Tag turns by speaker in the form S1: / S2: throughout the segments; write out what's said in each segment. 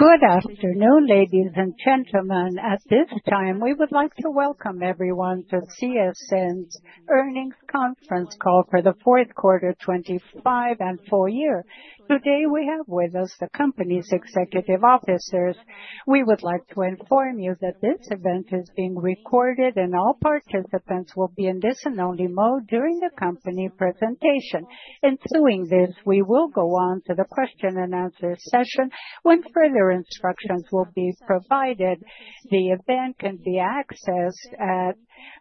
S1: Good afternoon, ladies and gentlemen. At this time, we would like to welcome everyone to CSN's Earnings Conference Call for the Fourth Quarter 2025 and Full year. Today, we have with us the company's executive officers. We would like to inform you that this event is being recorded, and all participants will be in listen-only mode during the company presentation. Ensuing this, we will go on to the question-and-answer session when further instructions will be provided. The event can be accessed at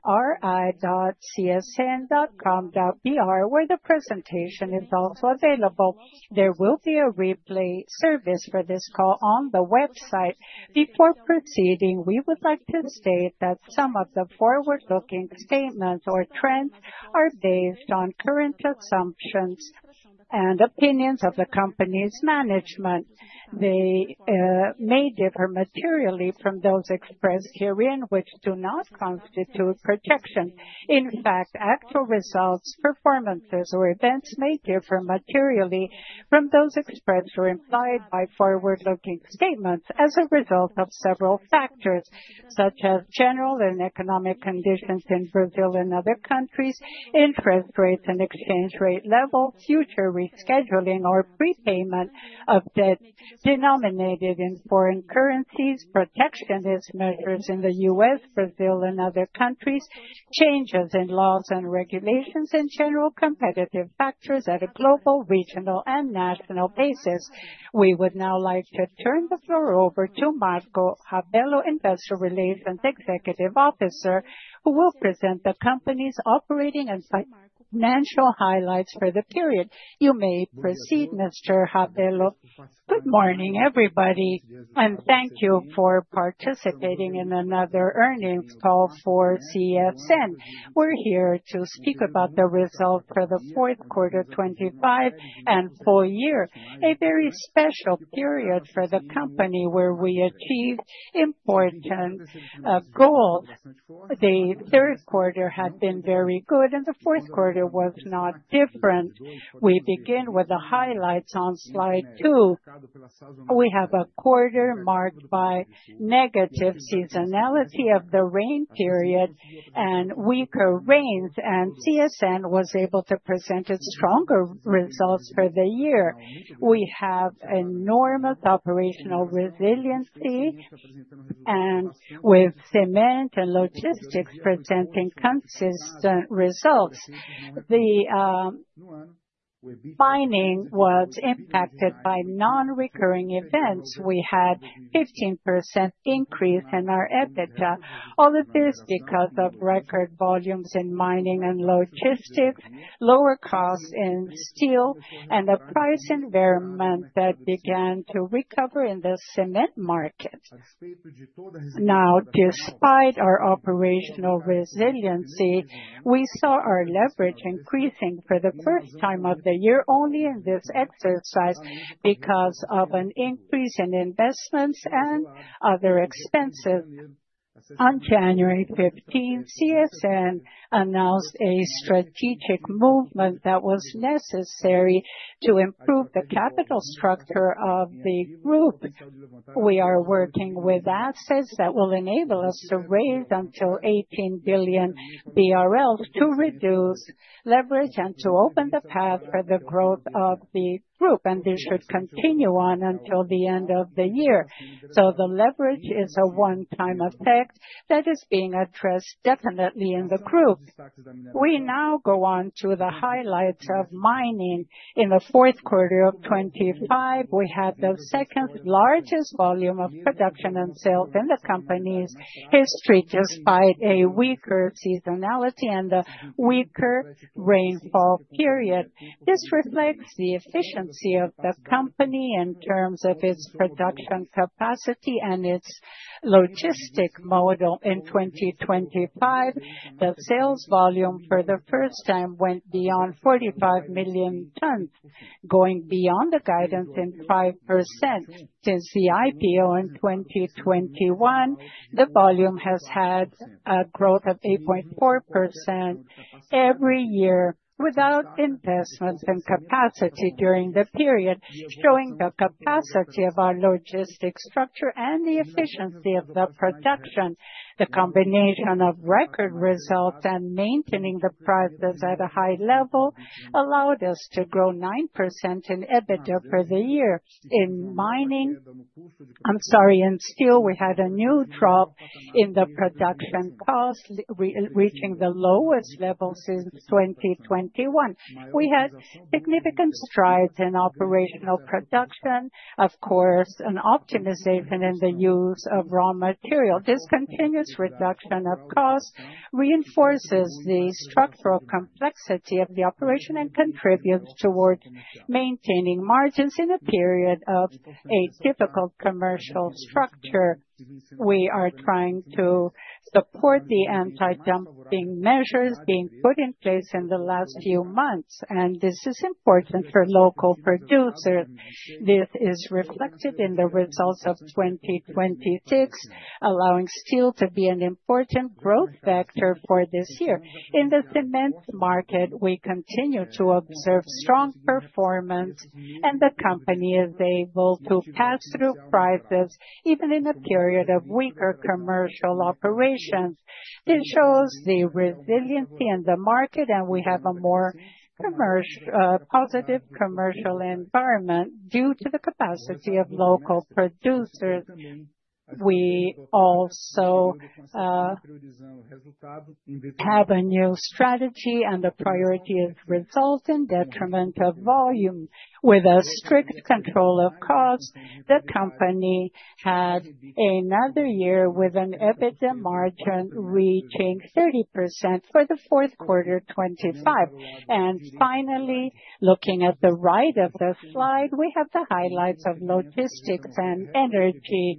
S1: ri.csn.com.br, where the presentation is also available. There will be a replay service for this call on the website. Before proceeding, we would like to state that some of the forward-looking statements or trends are based on current assumptions and opinions of the company's management. They may differ materially from those expressed herein, which do not constitute projection. In fact, actual results, performances, or events may differ materially from those expressed or implied by forward-looking statements as a result of several factors, such as general and economic conditions in Brazil and other countries, interest rates and exchange rate levels, future rescheduling or prepayment of debt denominated in foreign currencies, protectionist measures in the U.S., Brazil, and other countries, changes in laws and regulations, and general competitive factors at a global, regional, and national basis. We would now like to turn the floor over to Marco Rabello, Chief Financial Officer and Investor Relations Officer, who will present the company's operating and financial highlights for the period. You may proceed, Mr. Rabello.
S2: Good morning, everybody, and thank you for participating in another earnings call for CSN. We're here to speak about the result for the fourth quarter 2025 and full year, a very special period for the company, where we achieved important goals. The third quarter had been very good, and the fourth quarter was not different. We begin with the highlights on slide two. We have a quarter marked by negative seasonality of the rain period and weaker rains, and CSN was able to present its stronger results for the year. We have enormous operational resiliency and with cement and logistics presenting consistent results. The mining was impacted by non-recurring events. We had 15% increase in our EBITDA. All of this because of record volumes in mining and logistics, lower costs in steel, and the price environment that began to recover in the cement market. Now, despite our operational resiliency, we saw our leverage increasing for the first time of the year, only in this exercise because of an increase in investments and other expenses. On January 15th, CSN announced a strategic movement that was necessary to improve the capital structure of the group. We are working with assets that will enable us to raise until 18 billion BRL to reduce leverage and to open the path for the growth of the group, and this should continue on until the end of the year. The leverage is a one-time effect that is being addressed definitely in the group. We now go on to the highlights of mining. In the fourth quarter of 2025, we had the second largest volume of production and sales in the company's history, despite a weaker seasonality and a weaker rainfall period. This reflects the efficiency of the company in terms of its production capacity and its logistics model. In 2025, the sales volume for the first time went beyond 45 million tons, going beyond the guidance in 5%. Since the IPO in 2021, the volume has had a growth of 8.4% every year without investments in capacity during the period, showing the capacity of our logistics structure and the efficiency of the production. The combination of record results and maintaining the prices at a high level allowed us to grow 9% in EBITDA for the year. In steel, we had a new drop in the production cost, reaching the lowest levels since 2021. We had significant strides in operational production, of course, an optimization in the use of raw material. This continuous reduction of cost reinforces the structural complexity of the operation and contributes toward maintaining margins in a period of a difficult commercial structure. We are trying to support the anti-dumping measures being put in place in the last few months, and this is important for local producers. This is reflected in the results of 2026, allowing steel to be an important growth factor for this year. In the cement market, we continue to observe strong performance, and the company is able to pass through prices even in a period of weaker commercial operations. This shows the resiliency in the market, and we have a more positive commercial environment due to the capacity of local producers. We also have a new strategy, and the priority is results in detriment of volume. With a strict control of costs, the company had another year with an EBITDA margin reaching 30% for the fourth quarter 2025. Finally, looking at the right of the slide, we have the highlights of logistics and energy.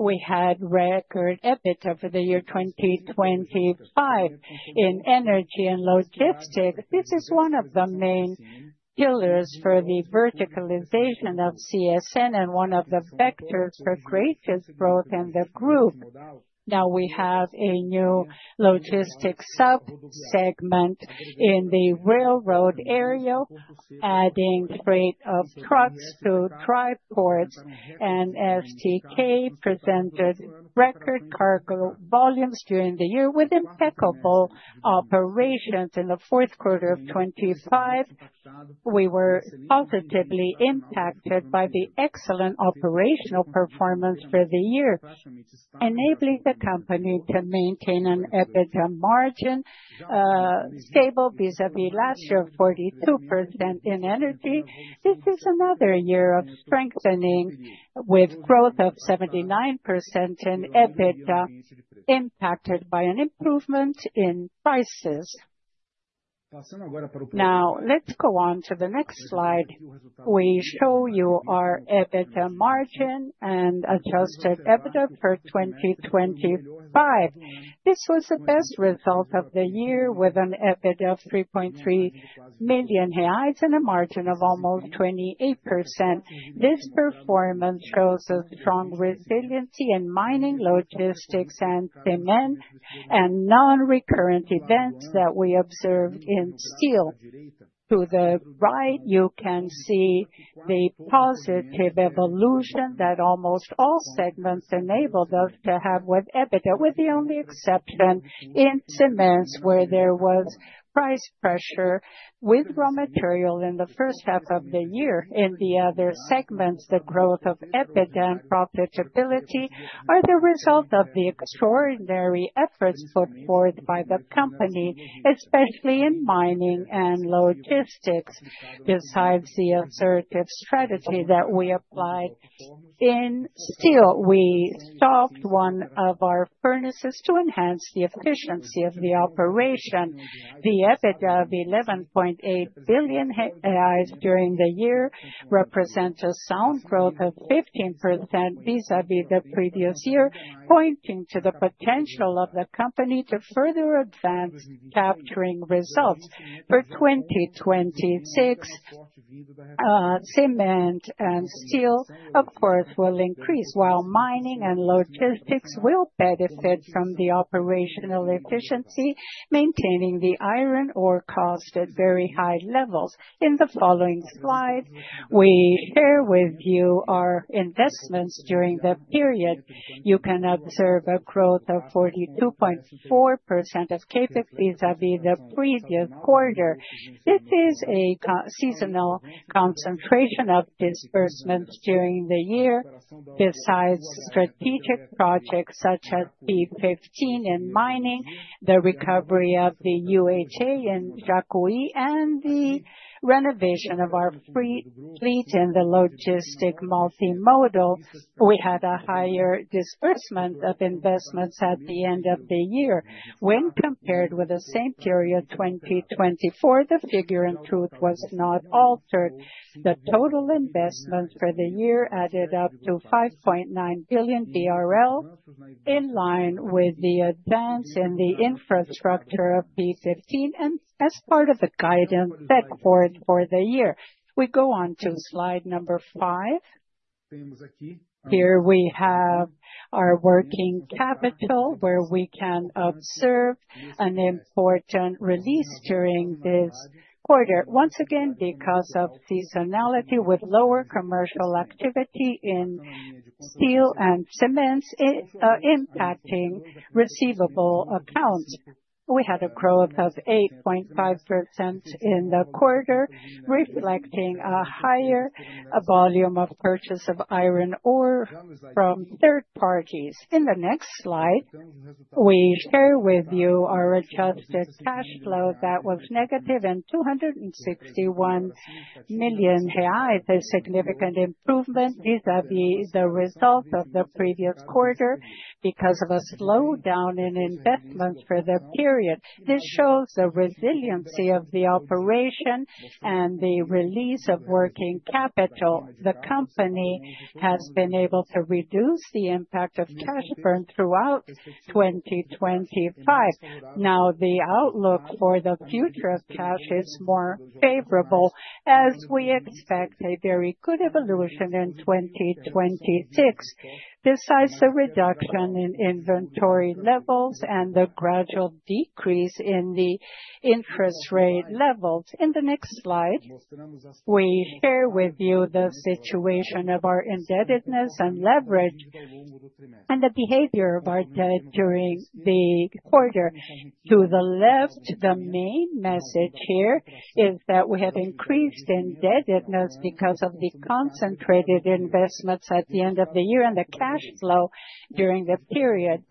S2: We had record EBITDA for the year 2025 in energy and logistics. This is one of the main pillars for the verticalization of CSN and one of the factors for organic growth in the group. Now we have a new logistics sub-segment in the railroad area, adding freight of trucks to trimodal ports, and MRS presented record cargo volumes during the year with impeccable operations. In the fourth quarter of 2025, we were positively impacted by the excellent operational performance for the year, enabling the company to maintain an EBITDA margin stable vis-à-vis last year, 42% in energy. This is another year of strengthening with growth of 79% in EBITDA, impacted by an improvement in prices. Now, let's go on to the next slide. We show you our EBITDA margin and Adjusted EBITDA for 2025. This was the best result of the year, with an EBITDA of 3.3 million reais and a margin of almost 28%. This performance shows a strong resiliency in mining, logistics and cement and non-recurrent events that we observed in steel. To the right, you can see the positive evolution that almost all segments enabled us to have with EBITDA, with the only exception in cements, where there was price pressure with raw material in the first half of the year. In the other segments, the growth of EBITDA and profitability are the result of the extraordinary efforts put forth by the company, especially in mining and logistics. Besides the assertive strategy that we applied in steel, we stopped one of our furnaces to enhance the efficiency of the operation. The EBITDA of 11.8 billion during the year represents a sound growth of 15% vis-à-vis the previous year, pointing to the potential of the company to further advance capturing results. For 2026, cement and steel, of course, will increase, while mining and logistics will benefit from the operational efficiency, maintaining the iron ore cost at very high levels. In the following slide, we share with you our investments during the period. You can observe a growth of 42.4% of CAPEX vis-à-vis the previous quarter. This is a seasonal concentration of disbursements during the year. Besides strategic projects such as P-15 in mining, the recovery of the UHE in Jacuí, and the renovation of our freight fleet in the logistics multimodal, we had a higher disbursement of investments at the end of the year. When compared with the same period, 2024, the figure, in truth, was not altered. The total investment for the year added up to 5.9 billion BRL, in line with the advance in the infrastructure of P-15 and as part of the guidance set forth for the year. We go on to slide number five. Here we have our working capital, where we can observe an important release during this quarter, once again because of seasonality with lower commercial activity in steel and cement, impacting receivable accounts. We had a growth of 8.5% in the quarter, reflecting a higher volume of purchase of iron ore from third parties. In the next slide, we share with you our adjusted cash flow that was negative 261 million reais. A significant improvement vis-à-vis the result of the previous quarter because of a slowdown in investments for the period. This shows the resiliency of the operation and the release of working capital. The company has been able to reduce the impact of cash burn throughout 2025. Now, the outlook for the future of cash is more favorable as we expect a very good evolution in 2026. Besides the reduction in inventory levels and the gradual decrease in the interest rate levels. In the next slide, we share with you the situation of our indebtedness and leverage and the behavior of our debt during the quarter. To the left, the main message here is that we have increased indebtedness because of the concentrated investments at the end of the year and the cash flow during the period.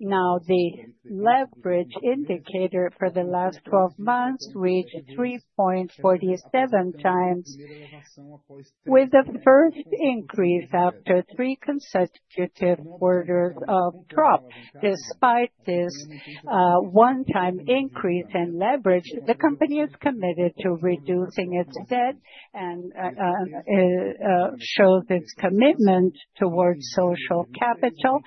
S2: Now, the leverage indicator for the last 12 months reached 3.47x with the first increase after three consecutive quarters of drop. Despite this, one-time increase in leverage, the company is committed to reducing its debt and shows its commitment towards social capital.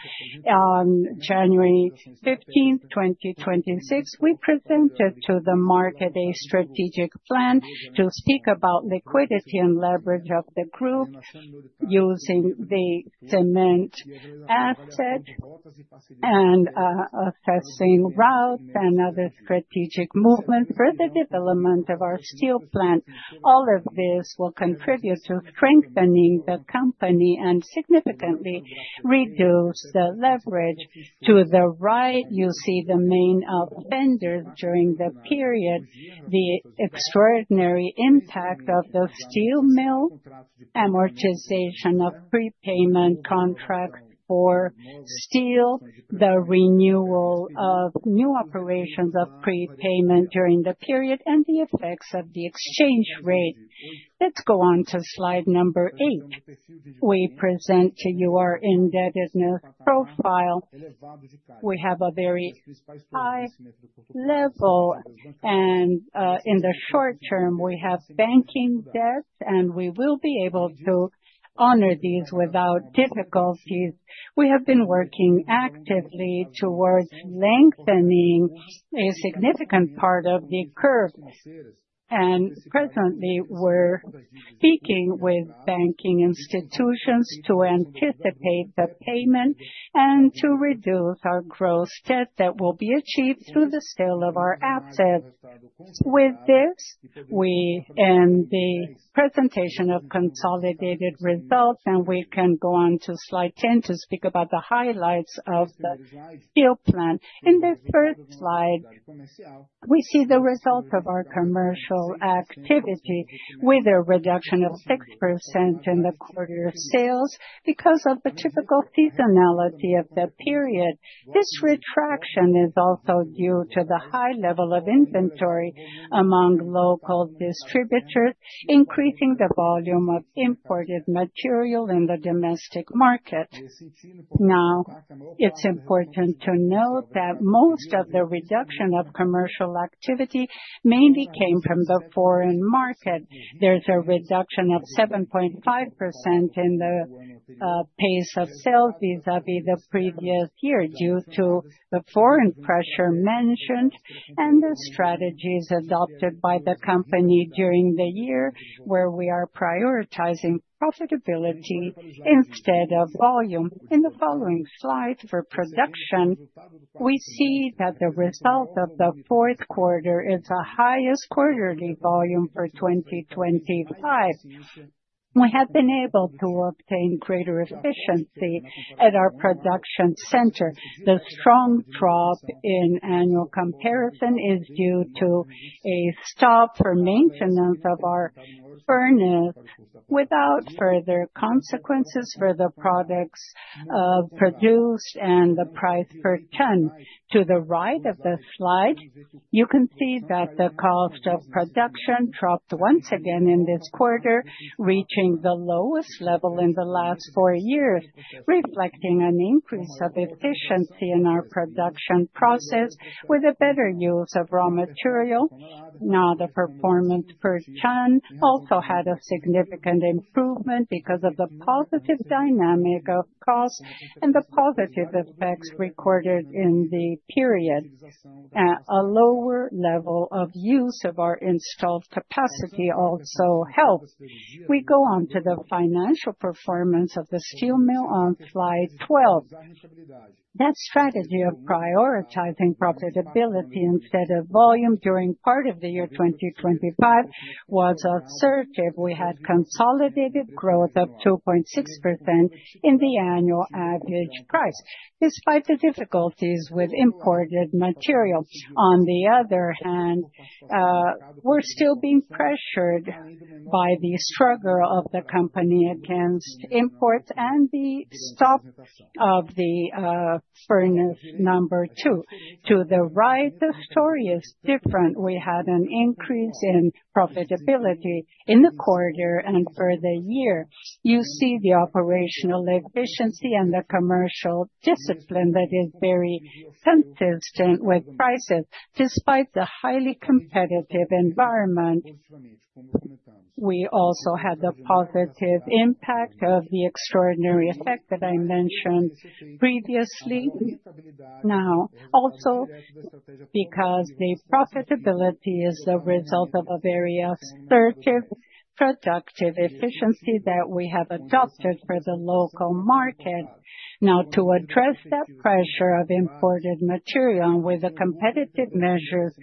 S2: On January 15th, 2026, we presented to the market a strategic plan to speak about liquidity and leverage of the group using the cement asset and assessing routes and other strategic movement for the development of our steel plant. All of this will contribute to strengthening the company and significantly reduce the leverage. To the right, you see the main vendor during the period, the extraordinary impact of the steel mill, amortization of prepayment contract for steel, the renewal of new operations of prepayment during the period, and the effects of the exchange rate. Let's go on to slide number eight. We present to you our indebtedness profile. We have a very high level and in the short term, we have banking debt, and we will be able to honor these without difficulties. We have been working actively towards lengthening a significant part of the curve. Presently, we're speaking with banking institutions to anticipate the payment and to reduce our gross debt that will be achieved through the sale of our assets. With this, we end the presentation of consolidated results, and we can go on to slide 10 to speak about the highlights of the steel plant. In the third slide, we see the result of our commercial activity with a reduction of 6% in the quarter sales because of the typical seasonality of the period. This retraction is also due to the high level of inventory among local distributors, increasing the volume of imported material in the domestic market. Now, it's important to note that most of the reduction of commercial activity mainly came from the foreign market. There's a reduction of 7.5% in the pace of sales vis-à-vis the previous year due to the foreign pressure mentioned and the strategies adopted by the company during the year, where we are prioritizing profitability instead of volume. In the following slide for production, we see that the result of the fourth quarter is the highest quarterly volume for 2025. We have been able to obtain greater efficiency at our production center. The strong drop in annual comparison is due to a stop for maintenance of our furnace without further consequences for the products produced and the price per ton. To the right of the slide, you can see that the cost of production dropped once again in this quarter, reaching the lowest level in the last four years, reflecting an increase of efficiency in our production process with a better use of raw material. Now, the performance per ton also had a significant improvement because of the positive dynamic of cost and the positive effects recorded in the period. A lower level of use of our installed capacity also helped. We go on to the financial performance of the steel mill on slide 12. That strategy of prioritizing profitability instead of volume during part of the year 2025 was assertive. We had consolidated growth of 2.6% in the annual average price, despite the difficulties with imported materials. On the other hand, we're still being pressured by the struggle of the company against imports and the stop of the furnace number two. To the right, the story is different. We had an increase in profitability in the quarter and for the year. You see the operational efficiency and the commercial discipline that is very consistent with prices, despite the highly competitive environment. We also had the positive impact of the extraordinary effect that I mentioned previously. Now, also because the profitability is a result of a very assertive productive efficiency that we have adopted for the local market. Now, to address that pressure of imported material with the competitive measures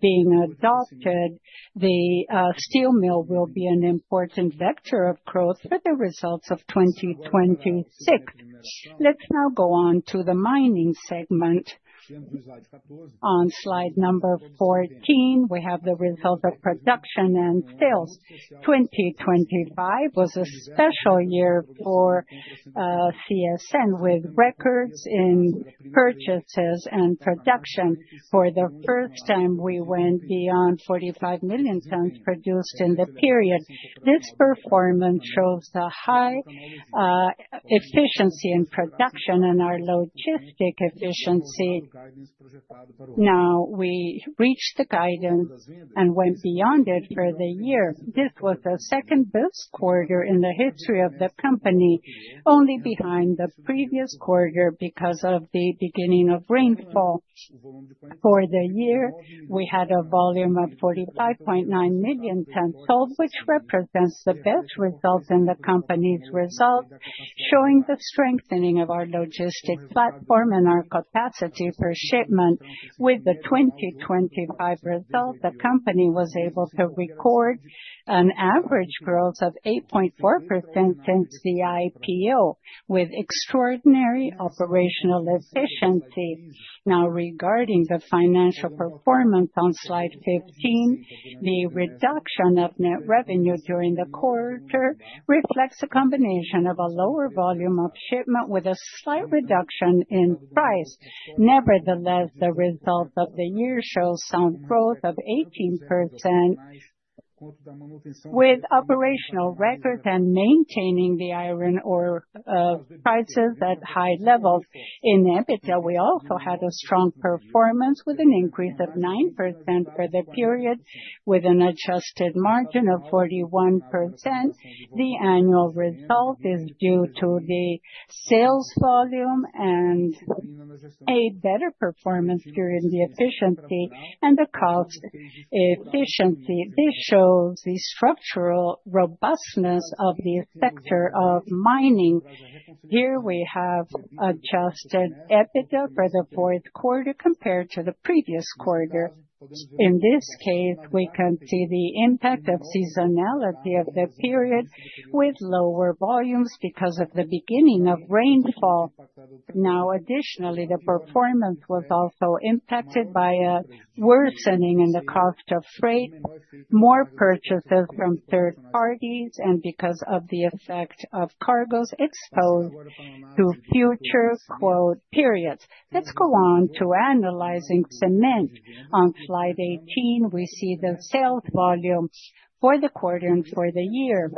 S2: being adopted, the steel mill will be an important vector of growth for the results of 2026. Let's now go on to the mining segment. On slide number 14, we have the result of production and sales. 2025 was a special year for CSN, with records in purchases and production. For the first time, we went beyond 45 million tons produced in the period. This performance shows the high efficiency in production and our logistics efficiency. Now, we reached the guidance and went beyond it for the year. This was the second best quarter in the history of the company, only behind the previous quarter because of the beginning of rainfall. For the year, we had a volume of 45.9 million tons sold, which represents the best results in the company's results, showing the strengthening of our logistics platform and our capacity for shipment. With the 2025 result, the company was able to record an average growth of 8.4% since the IPO, with extraordinary operational efficiency. Now, regarding the financial performance on slide 15, the reduction of net revenue during the quarter reflects a combination of a lower volume of shipment with a slight reduction in price. Nevertheless, the results of the year show sound growth of 18% with operational records and maintaining the iron ore prices at high levels. In EBITDA, we also had a strong performance with an increase of 9% for the period with an adjusted margin of 41%. The annual result is due to the sales volume and a better performance during the efficiency and the cost efficiency. This shows the structural robustness of the sector of mining. Here we have Adjusted EBITDA for the fourth quarter compared to the previous quarter. In this case, we can see the impact of seasonality of the period with lower volumes because of the beginning of rainfall. Now, additionally, the performance was also impacted by a worsening in the cost of freight, more purchases from third parties, and because of the effect of cargoes exposed to future quote periods. Let's go on to analyzing cement. On slide 18, we see the sales volume for the quarter and for the year.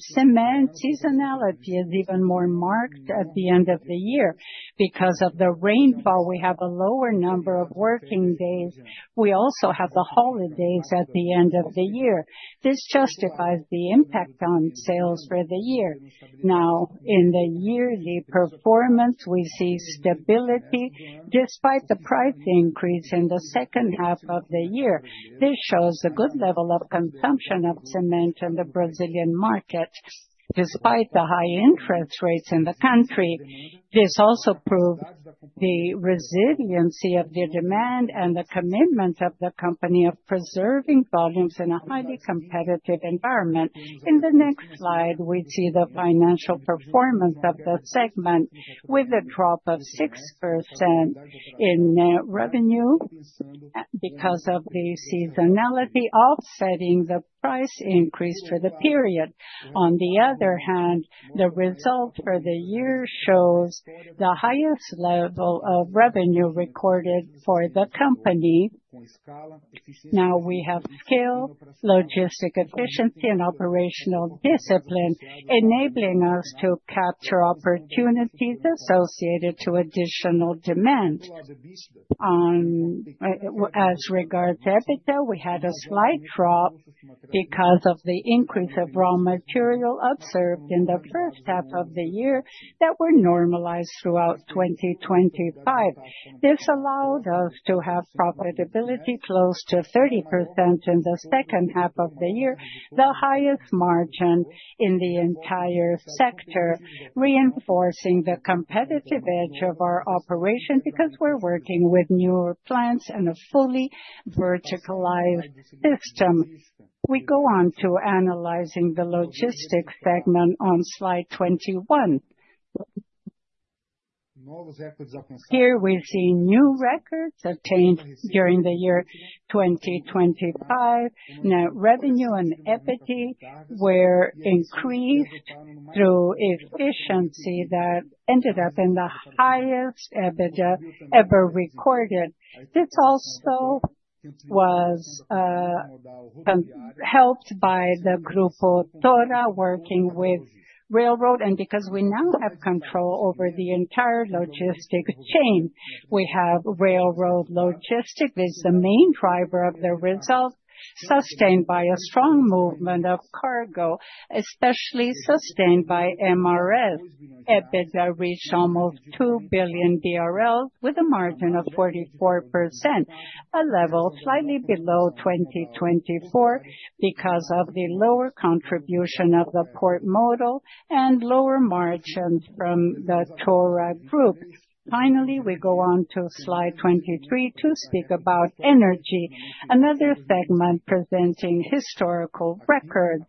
S2: Cement seasonality is even more marked at the end of the year. Because of the rainfall, we have a lower number of working days. We also have the holidays at the end of the year. This justifies the impact on sales for the year. Now, in the yearly performance, we see stability despite the price increase in the second half of the year. This shows a good level of consumption of cement in the Brazilian market, despite the high interest rates in the country. This also proved the resiliency of the demand and the commitment of the company of preserving volumes in a highly competitive environment. In the next slide, we see the financial performance of that segment with a drop of 6% in net revenue because of the seasonality offsetting the price increase for the period. On the other hand, the result for the year shows the highest level of revenue recorded for the company. Now we have scale, logistics efficiency and operational discipline, enabling us to capture opportunities associated to additional demand. As regards EBITDA, we had a slight drop because of the increase of raw material observed in the first half of the year that were normalized throughout 2025. This allowed us to have profitability close to 30% in the second half of the year, the highest margin in the entire sector, reinforcing the competitive edge of our operation because we're working with newer plants and a fully verticalized system. We go on to analyzing the logistics segment on slide 21. Here we see new records obtained during the year 2025. Net revenue and EBITDA were increased through efficiency that ended up in the highest EBITDA ever recorded. This also was helped by the Grupo Tora working with railroad. Because we now have control over the entire logistics chain, we have railroad logistics is the main driver of the result, sustained by a strong movement of cargo, especially sustained by MRS. EBITDA reached almost 2 billion with a margin of 44%, a level slightly below 2024 because of the lower contribution of the port modal and lower margins from the Grupo Tora. Finally, we go on to slide 23 to speak about energy, another segment presenting historical records.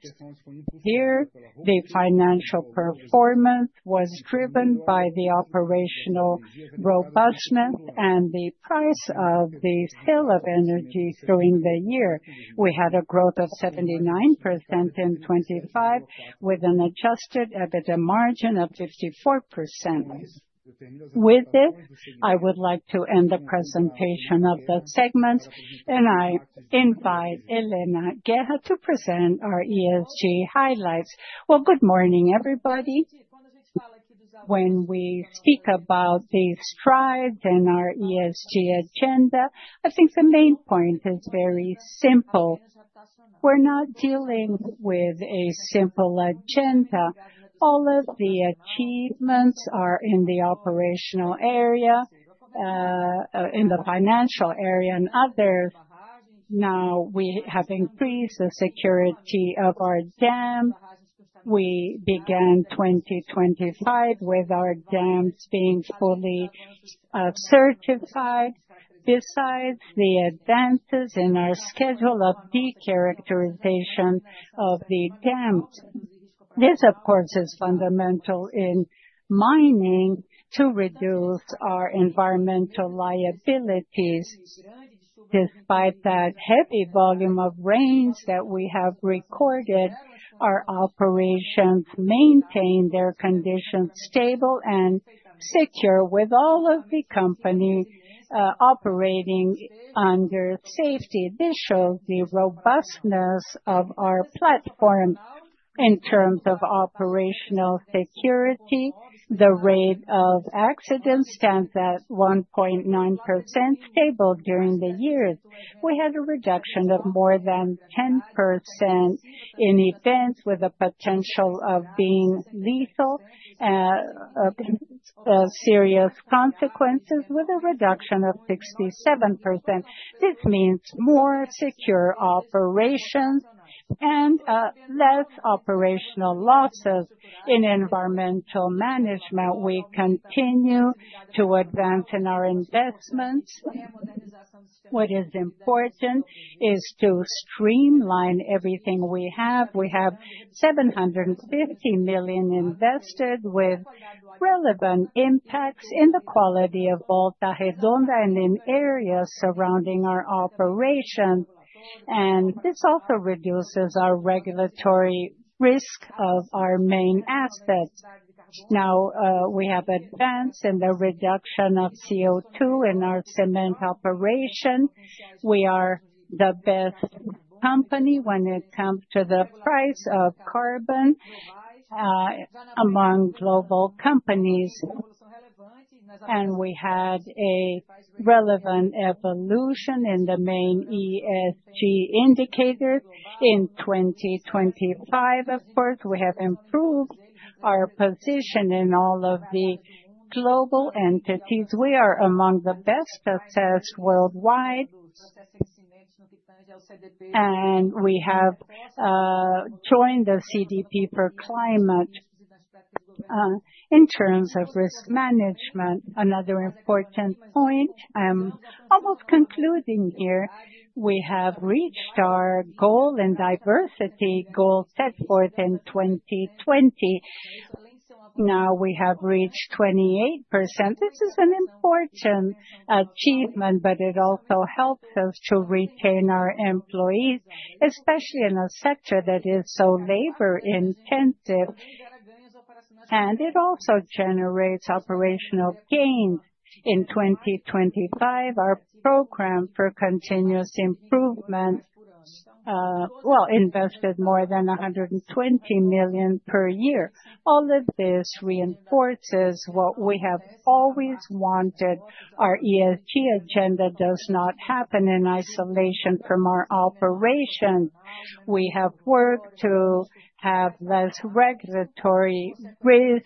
S2: Here, the financial performance was driven by the operational robustness and the price of the sale of energy during the year. We had a growth of 79% in 2025, with an Adjusted EBITDA margin of 54%. With this, I would like to end the presentation of the segment, and I invite Helena Guerra to present our ESG highlights.
S3: Well, good morning, everybody. When we speak about the strides in our ESG agenda, I think the main point is very simple. We're not dealing with a simple agenda. All of the achievements are in the operational area, in the financial area and others. Now, we have increased the security of our dam. We began 2025 with our dams being fully certified. Besides the advances in our schedule of decharacterization of the dams. This, of course, is fundamental in mining to reduce our environmental liabilities. Despite that heavy volume of rains that we have recorded, our operations maintain their conditions stable and secure with all of the company operating under safety. This shows the robustness of our platform in terms of operational security. The rate of accidents stands at 1.9% stable during the years. We had a reduction of more than 10% in events with the potential of being lethal, serious consequences with a reduction of 67%. This means more secure operations and less operational losses. In environmental management, we continue to advance in our investments. What is important is to streamline everything we have. We have 750 million invested with relevant impacts in the quality of Volta Redonda and in areas surrounding our operation. This also reduces our regulatory risk of our main assets. Now, we have advanced in the reduction of CO2 in our cement operation. We are the best company when it comes to the price of carbon among global companies. We had a relevant evolution in the main ESG indicators in 2025. Of course, we have improved our position in all of the global entities. We are among the best assessed worldwide. We have joined the CDP for Climate in terms of risk management. Another important point, I'm almost concluding here. We have reached our goal in diversity, goal set forth in 2020. Now we have reached 28%. This is an important achievement, but it also helps us to retain our employees, especially in a sector that is so labor-intensive. It also generates operational gains. In 2025, our program for continuous improvements invested more than 120 million per year. All of this reinforces what we have always wanted. Our ESG agenda does not happen in isolation from our operations. We have worked to have less regulatory risk,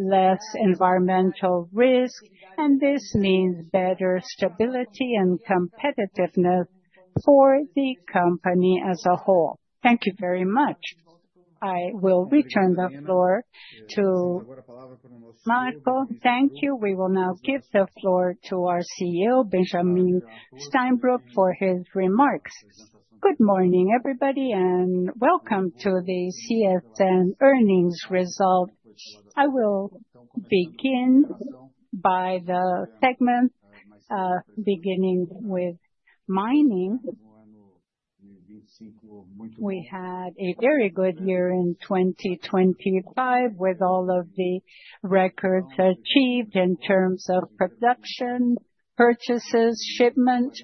S3: less environmental risk, and this means better stability and competitiveness for the company as a whole. Thank you very much. I will return the floor to Marco.
S2: Thank you. We will now give the floor to our CEO, Benjamin Steinbruch, for his remarks.
S4: Good morning, everybody, and welcome to the CSN earnings result. I will begin with the segment, beginning with mining. We had a very good year in 2025, with all of the records achieved in terms of production, purchases, shipment,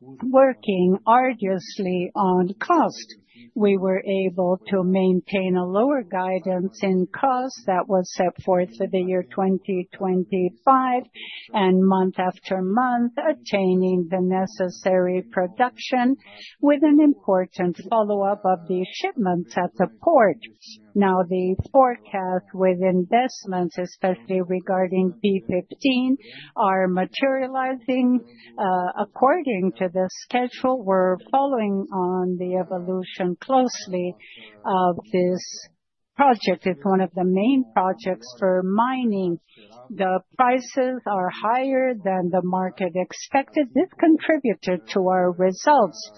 S4: working arduously on cost. We were able to maintain a lower guidance in cost that was set forth for the year 2025, and month after month, attaining the necessary production with an important follow-up of the shipments at the port. Now, the forecast with investments, especially regarding P-15, are materializing, according to the schedule. We're following on the evolution closely of this project. It's one of the main projects for mining. The prices are higher than the market expected. This contributed to our results.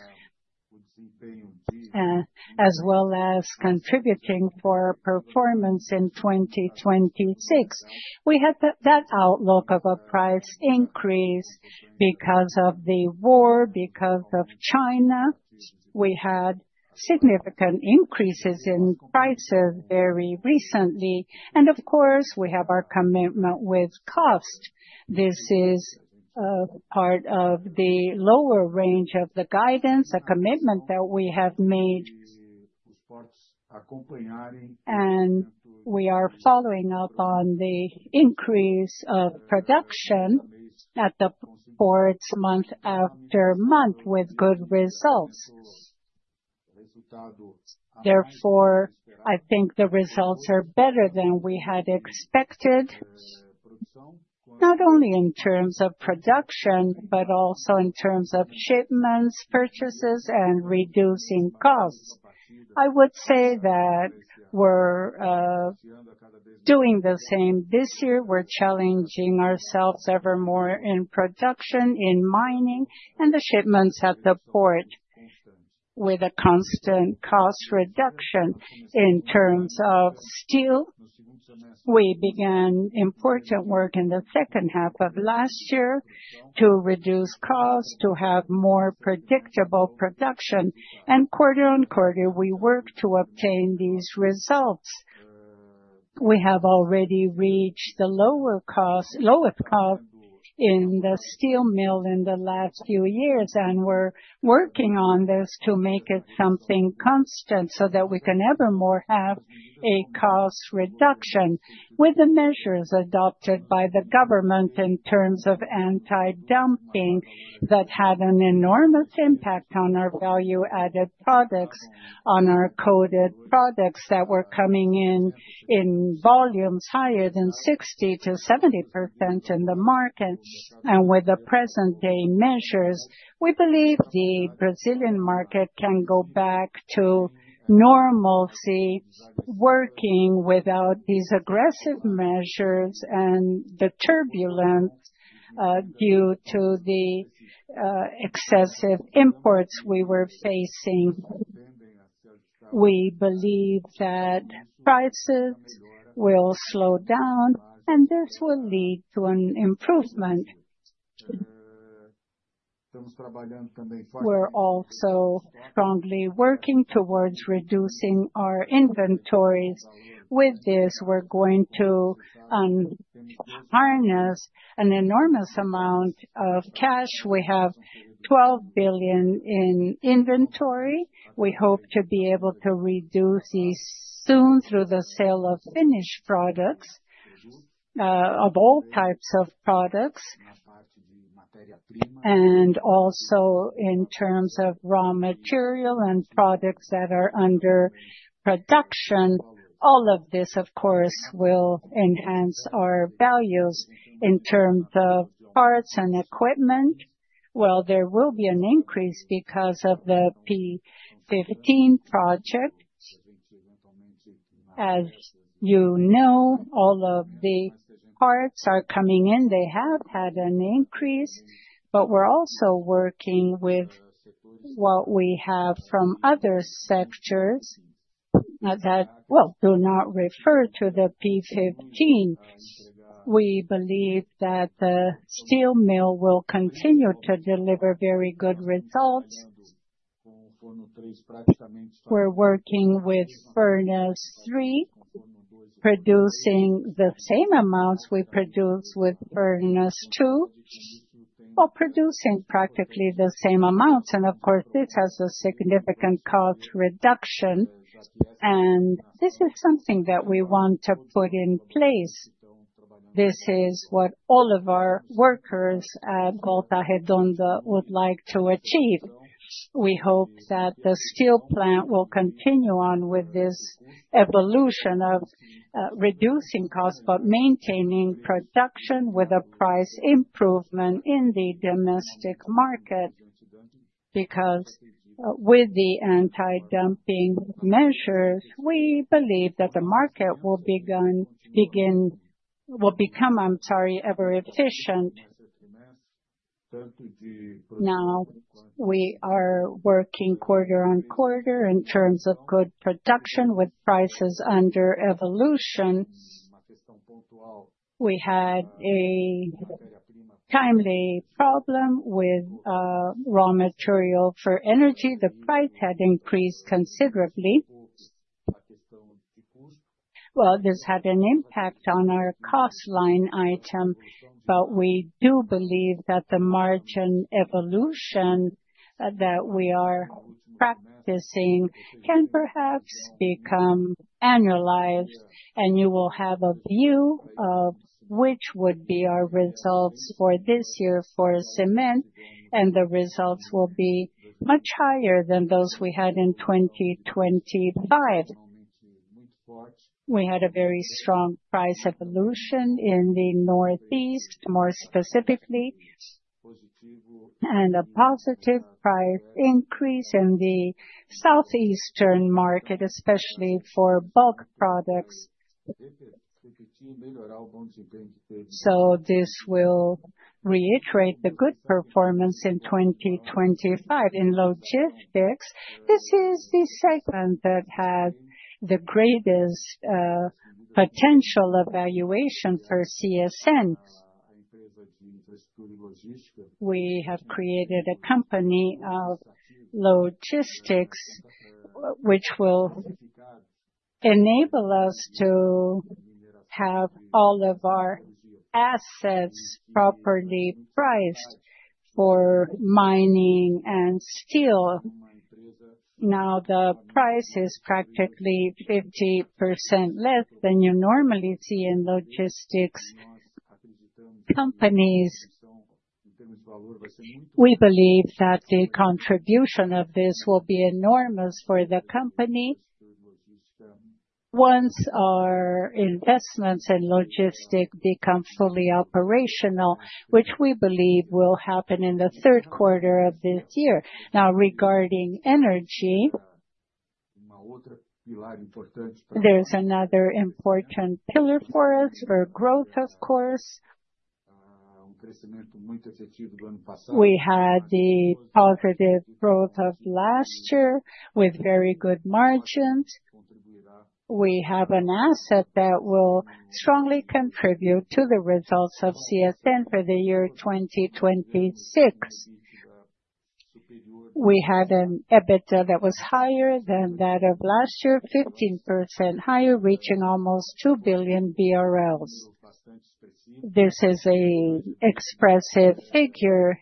S4: As well as contributing for performance in 2026. We had that outlook of a price increase because of the war, because of China. We had significant increases in prices very recently. Of course, we have our commitment with cost. This is part of the lower range of the guidance, a commitment that we have made. We are following up on the increase of production at the port month after month with good results. Therefore, I think the results are better than we had expected, not only in terms of production, but also in terms of shipments, purchases, and reducing costs. I would say that we're doing the same this year. We're challenging ourselves ever more in production, in mining, and the shipments at the port with a constant cost reduction. In terms of steel, we began important work in the second half of last year to reduce costs, to have more predictable production. Quarter-on-quarter, we work to obtain these results. We have already reached the lower cost, lowest cost in the steel mill in the last few years, and we're working on this to make it something constant so that we can evermore have a cost reduction. With the measures adopted by the government in terms of anti-dumping that had an enormous impact on our value-added products, on our coated products that were coming in in volumes higher than 60%-70% in the market. With the present-day measures, we believe the Brazilian market can go back to normalcy, working without these aggressive measures and the turbulence due to the excessive imports we were facing. We believe that prices will slow down, and this will lead to an improvement. We're also strongly working towards reducing our inventories. With this, we're going to harness an enormous amount of cash. We have 12 billion in inventory. We hope to be able to reduce these soon through the sale of finished products, of all types of products, and also in terms of raw material and products that are under production. All of this, of course, will enhance our values in terms of parts and equipment. Well, there will be an increase because of the P-15 project. As you know, all of the parts are coming in. They have had an increase, but we're also working with what we have from other sectors that, well, do not refer to the P-15. We believe that the steel mill will continue to deliver very good results. We're working with furnace three, producing the same amounts we produce with furnace two, while producing practically the same amounts. Of course, this has a significant cost reduction, and this is something that we want to put in place. This is what all of our workers at Volta Redonda would like to achieve. We hope that the steel plant will continue on with this evolution of reducing costs, but maintaining production with a price improvement in the domestic market. With the anti-dumping measures, we believe that the market will become, I'm sorry, more efficient. Now we are working quarter-on-quarter in terms of good production with prices under evolution. We had a timing problem with raw material for energy. The price had increased considerably. Well, this had an impact on our cost line item, but we do believe that the margin evolution that we are practicing can perhaps become annualized, and you will have a view of which would be our results for this year for cement, and the results will be much higher than those we had in 2025. We had a very strong price evolution in the Northeast, more specifically, and a positive price increase in the Southeastern market, especially for bulk products. This will reiterate the good performance in 2025. In logistics, this is the segment that has the greatest potential valuation for CSN. We have created a company of logistics which will enable us to have all of our assets properly priced for mining and steel. Now, the price is practically 50% less than you normally see in logistics companies. We believe that the contribution of this will be enormous for the company once our investments in logistics become fully operational, which we believe will happen in the third quarter of this year. Now, regarding energy, there's another important pillar for us, for growth, of course. We had the positive growth of last year with very good margins. We have an asset that will strongly contribute to the results of CSN for the year 2026. We had an EBITDA that was higher than that of last year, 15% higher, reaching almost 2 billion BRL. This is an expressive figure.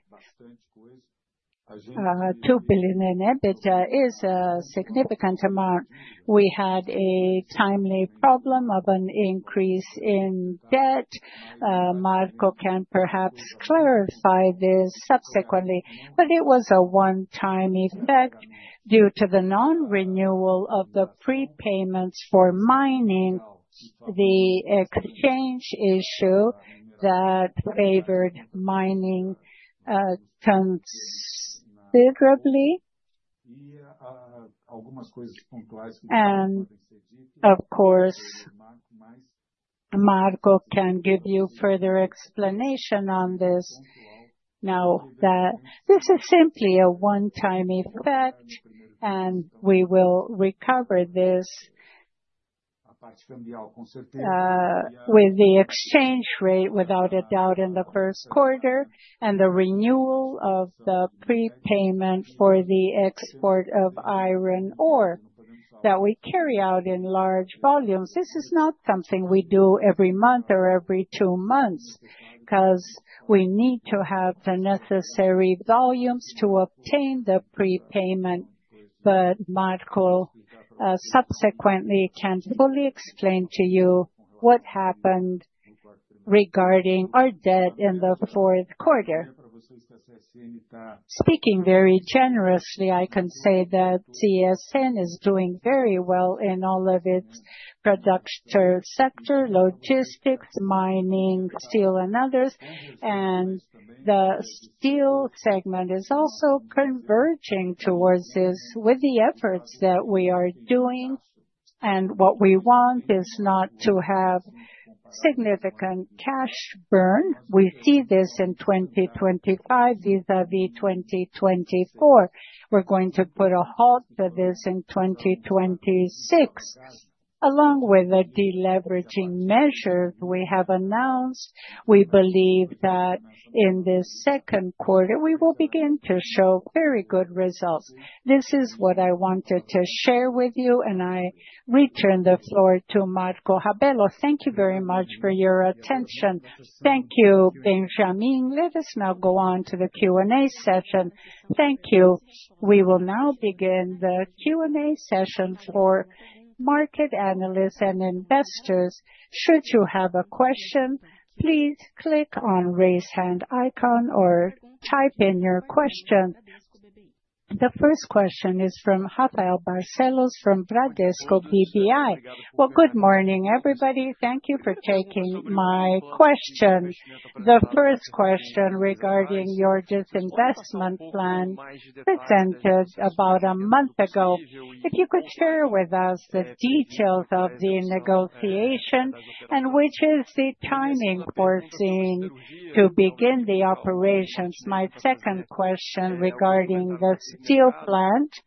S4: 2 billion in EBITDA is a significant amount. We had a temporary problem of an increase in debt. Marco can perhaps clarify this subsequently, but it was a one-time effect due to the non-renewal of the prepayments for mining, the exchange issue that favored mining considerably. Of course, Marco can give you further explanation on this. Now, this is simply a one-time effect, and we will recover this with the exchange rate, without a doubt, in the first quarter and the renewal of the prepayment for the export of iron ore that we carry out in large volumes. This is not something we do every month or every two months, 'cause we need to have the necessary volumes to obtain the prepayment. Marco subsequently can fully explain to you what happened regarding our debt in the fourth quarter. Speaking very generously, I can say that CSN is doing very well in all of its production sector, logistics, mining, steel and others. The steel segment is also converging towards this with the efforts that we are doing. What we want is not to have significant cash burn. We see this in 2025 vis-à-vis 2024. We're going to put a halt to this in 2026. Along with the deleveraging measures we have announced, we believe that in the second quarter, we will begin to show very good results. This is what I wanted to share with you, and I return the floor to Marco Rabello. Thank you very much for your attention.
S2: Thank you, Benjamin. Let us now go on to the Q&A session.
S1: Thank you. We will now begin the Q&A session for market analysts and investors. Should you have a question, please click on Raise Hand icon or type in your question. The first question is from Rafael Barcellos from Bradesco BBI.
S5: Well, good morning, everybody. Thank you for taking my question. The first question regarding your disinvestment plan presented about a month ago. If you could share with us the details of the negotiation and which is the timing foreseen to begin the operations. My second question regarding the steel plant.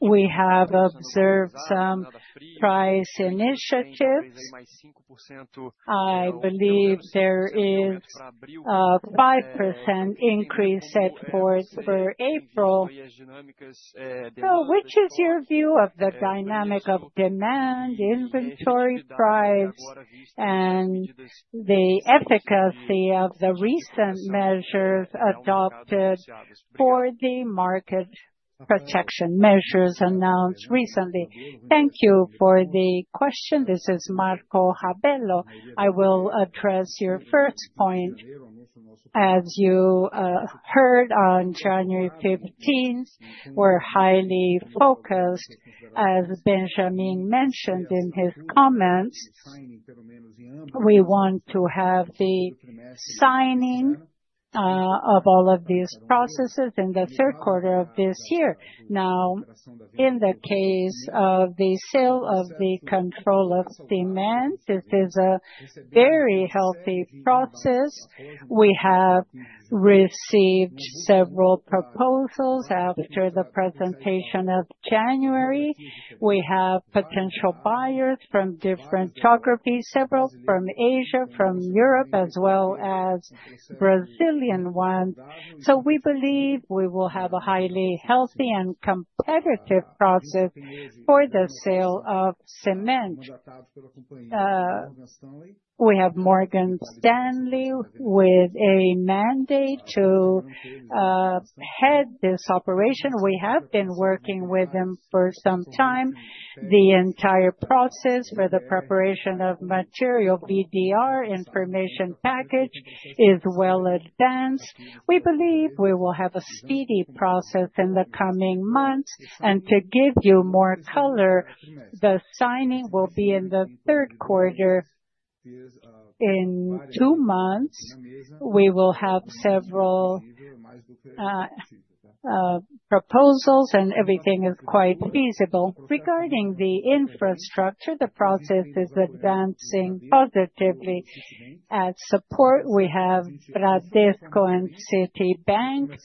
S5: We have observed some price initiatives. I believe there is a 5% increase set forth for April. Which is your view of the dynamic of demand, inventory price, and the efficacy of the recent measures adopted for the market protection measures announced recently?
S2: Thank you for the question. This is Marco Rabello. I will address your first point. As you heard on January 15th, we're highly focused, as Benjamin mentioned in his comments. We want to have the signing of all of these processes in the third quarter of this year. Now, in the case of the sale of the control of Cimentos, this is a very healthy process. We have received several proposals after the presentation in January. We have potential buyers from different geographies, several from Asia, from Europe, as well as Brazilian ones. We believe we will have a highly healthy and competitive process for the sale of cement. We have Morgan Stanley with a mandate to head this operation. We have been working with them for some time. The entire process for the preparation of material VDR information package is well advanced. We believe we will have a speedy process in the coming months. To give you more color, the signing will be in the third quarter. In two months, we will have several proposals, and everything is quite feasible. Regarding the infrastructure, the process is advancing positively. As support, we have Bradesco and Citibank.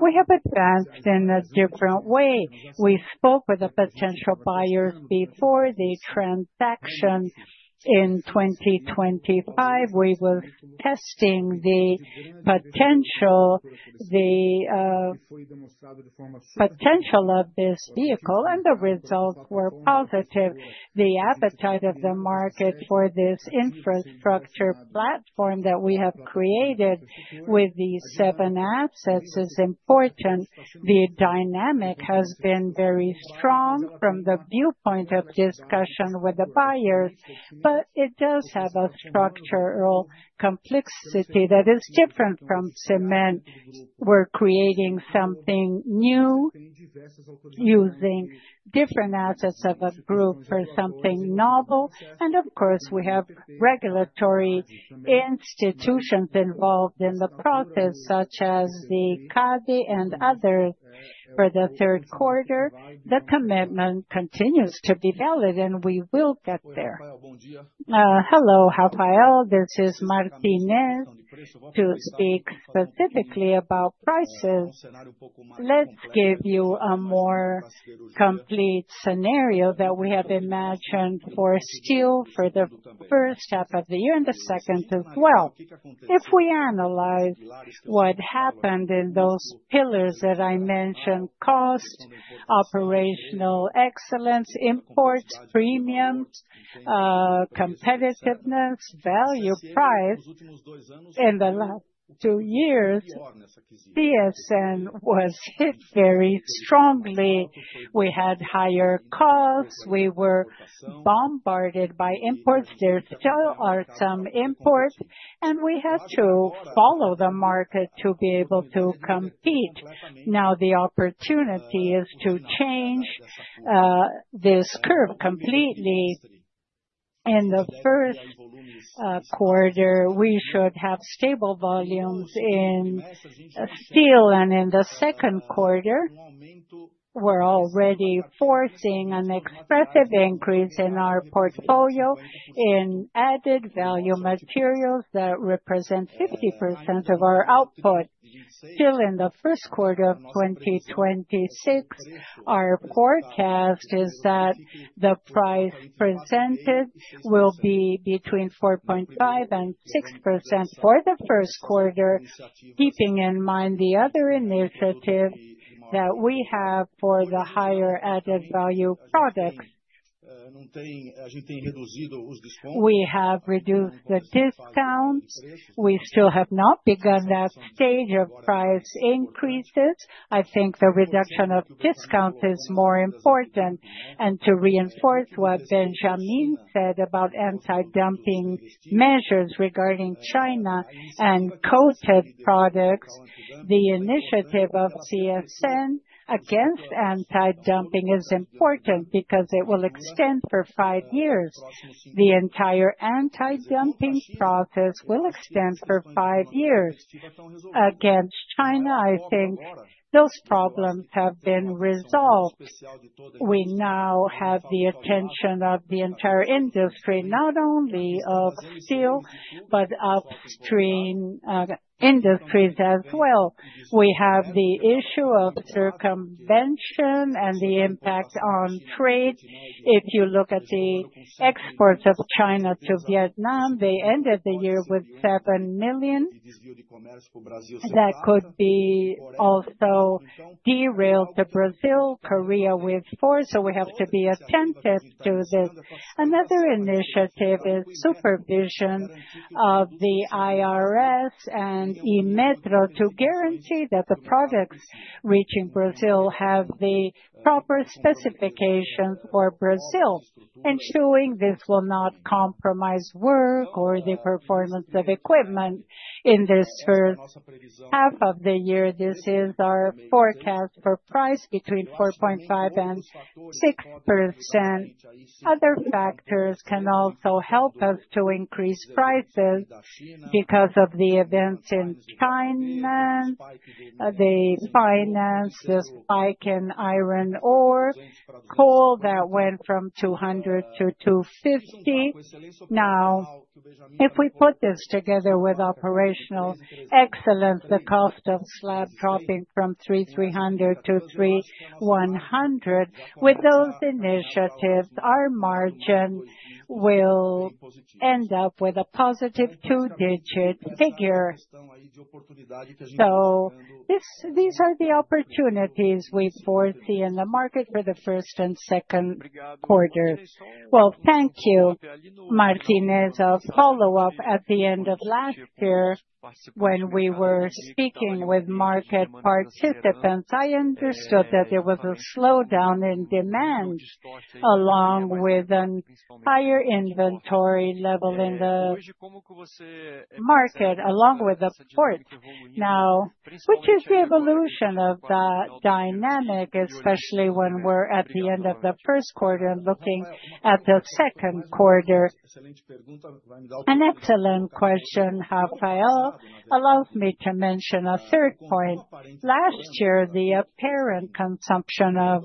S2: We have advanced in a different way. We spoke with the potential buyers before the transaction in 2025. We were testing the potential of this vehicle, and the results were positive. The appetite of the market for this infrastructure platform that we have created with these seven assets is important. The dynamic has been very strong from the viewpoint of discussion with the buyers, but it does have a structural complexity that is different from cement. We're creating something new, using different assets of a group for something novel. Of course, we have regulatory institutions involved in the process, such as the CADE and others. For the third quarter, the commitment continues to be valid, and we will get there.
S6: Hello, Rafael. This is Martinez. To speak specifically about prices, let's give you a more complete scenario that we have imagined for steel for the first half of the year and the second as well. If we analyze what happened in those pillars that I mentioned, cost, operational excellence, imports, premiums, competitiveness, value, price. In the last two years, CSN was hit very strongly. We had higher costs. We were bombarded by imports. There still are some imports, and we had to follow the market to be able to compete. Now, the opportunity is to change this curve completely. In the first quarter, we should have stable volumes in steel, and in the second quarter, we're already foreseeing an expressive increase in our portfolio in added value materials that represent 50% of our output. Still, in the first quarter of 2026, our forecast is that the price presented will be between 4.5% and 6% for the first quarter, keeping in mind the other initiative that we have for the higher added value products. We have reduced the discounts. We still have not begun that stage of price increases. I think the reduction of discounts is more important. To reinforce what Benjamin said about anti-dumping measures regarding China and coated products, the initiative of CSN against anti-dumping is important because it will extend for five years. The entire anti-dumping process will extend for five years. Against China, I think those problems have been resolved. We now have the attention of the entire industry, not only of steel, but upstream, industries as well. We have the issue of circumvention and the impact on trade. If you look at the exports of China to Vietnam, they ended the year with 7 million. That could be also derailed to Brazil, Korea with 4 million, so we have to be attentive to this. Another initiative is supervision of the RFB and INMETRO to guarantee that the products reaching Brazil have the proper specifications for Brazil, ensuring this will not compromise work or the performance of equipment. In this first half of the year, this is our forecast for price between 4.5% and 6%. Other factors can also help us to increase prices because of the events in China, the finance, the spike in iron ore, coal that went from $200-$250. Now, if we put this together with operational excellence, the cost of slab dropping from $330-$310. With those initiatives, our margin will end up with a positive two-digit figure. These are the opportunities we foresee in the market for the first and second quarter.
S5: Well, thank you, Martinez. A follow-up. At the end of last year, when we were speaking with market participants, I understood that there was a slowdown in demand, along with a higher inventory level in the market, along with the port. Now, which is the evolution of that dynamic, especially when we're at the end of the first quarter looking at the second quarter?
S4: An excellent question, Rafael. Allow me to mention a third point. Last year, the apparent consumption of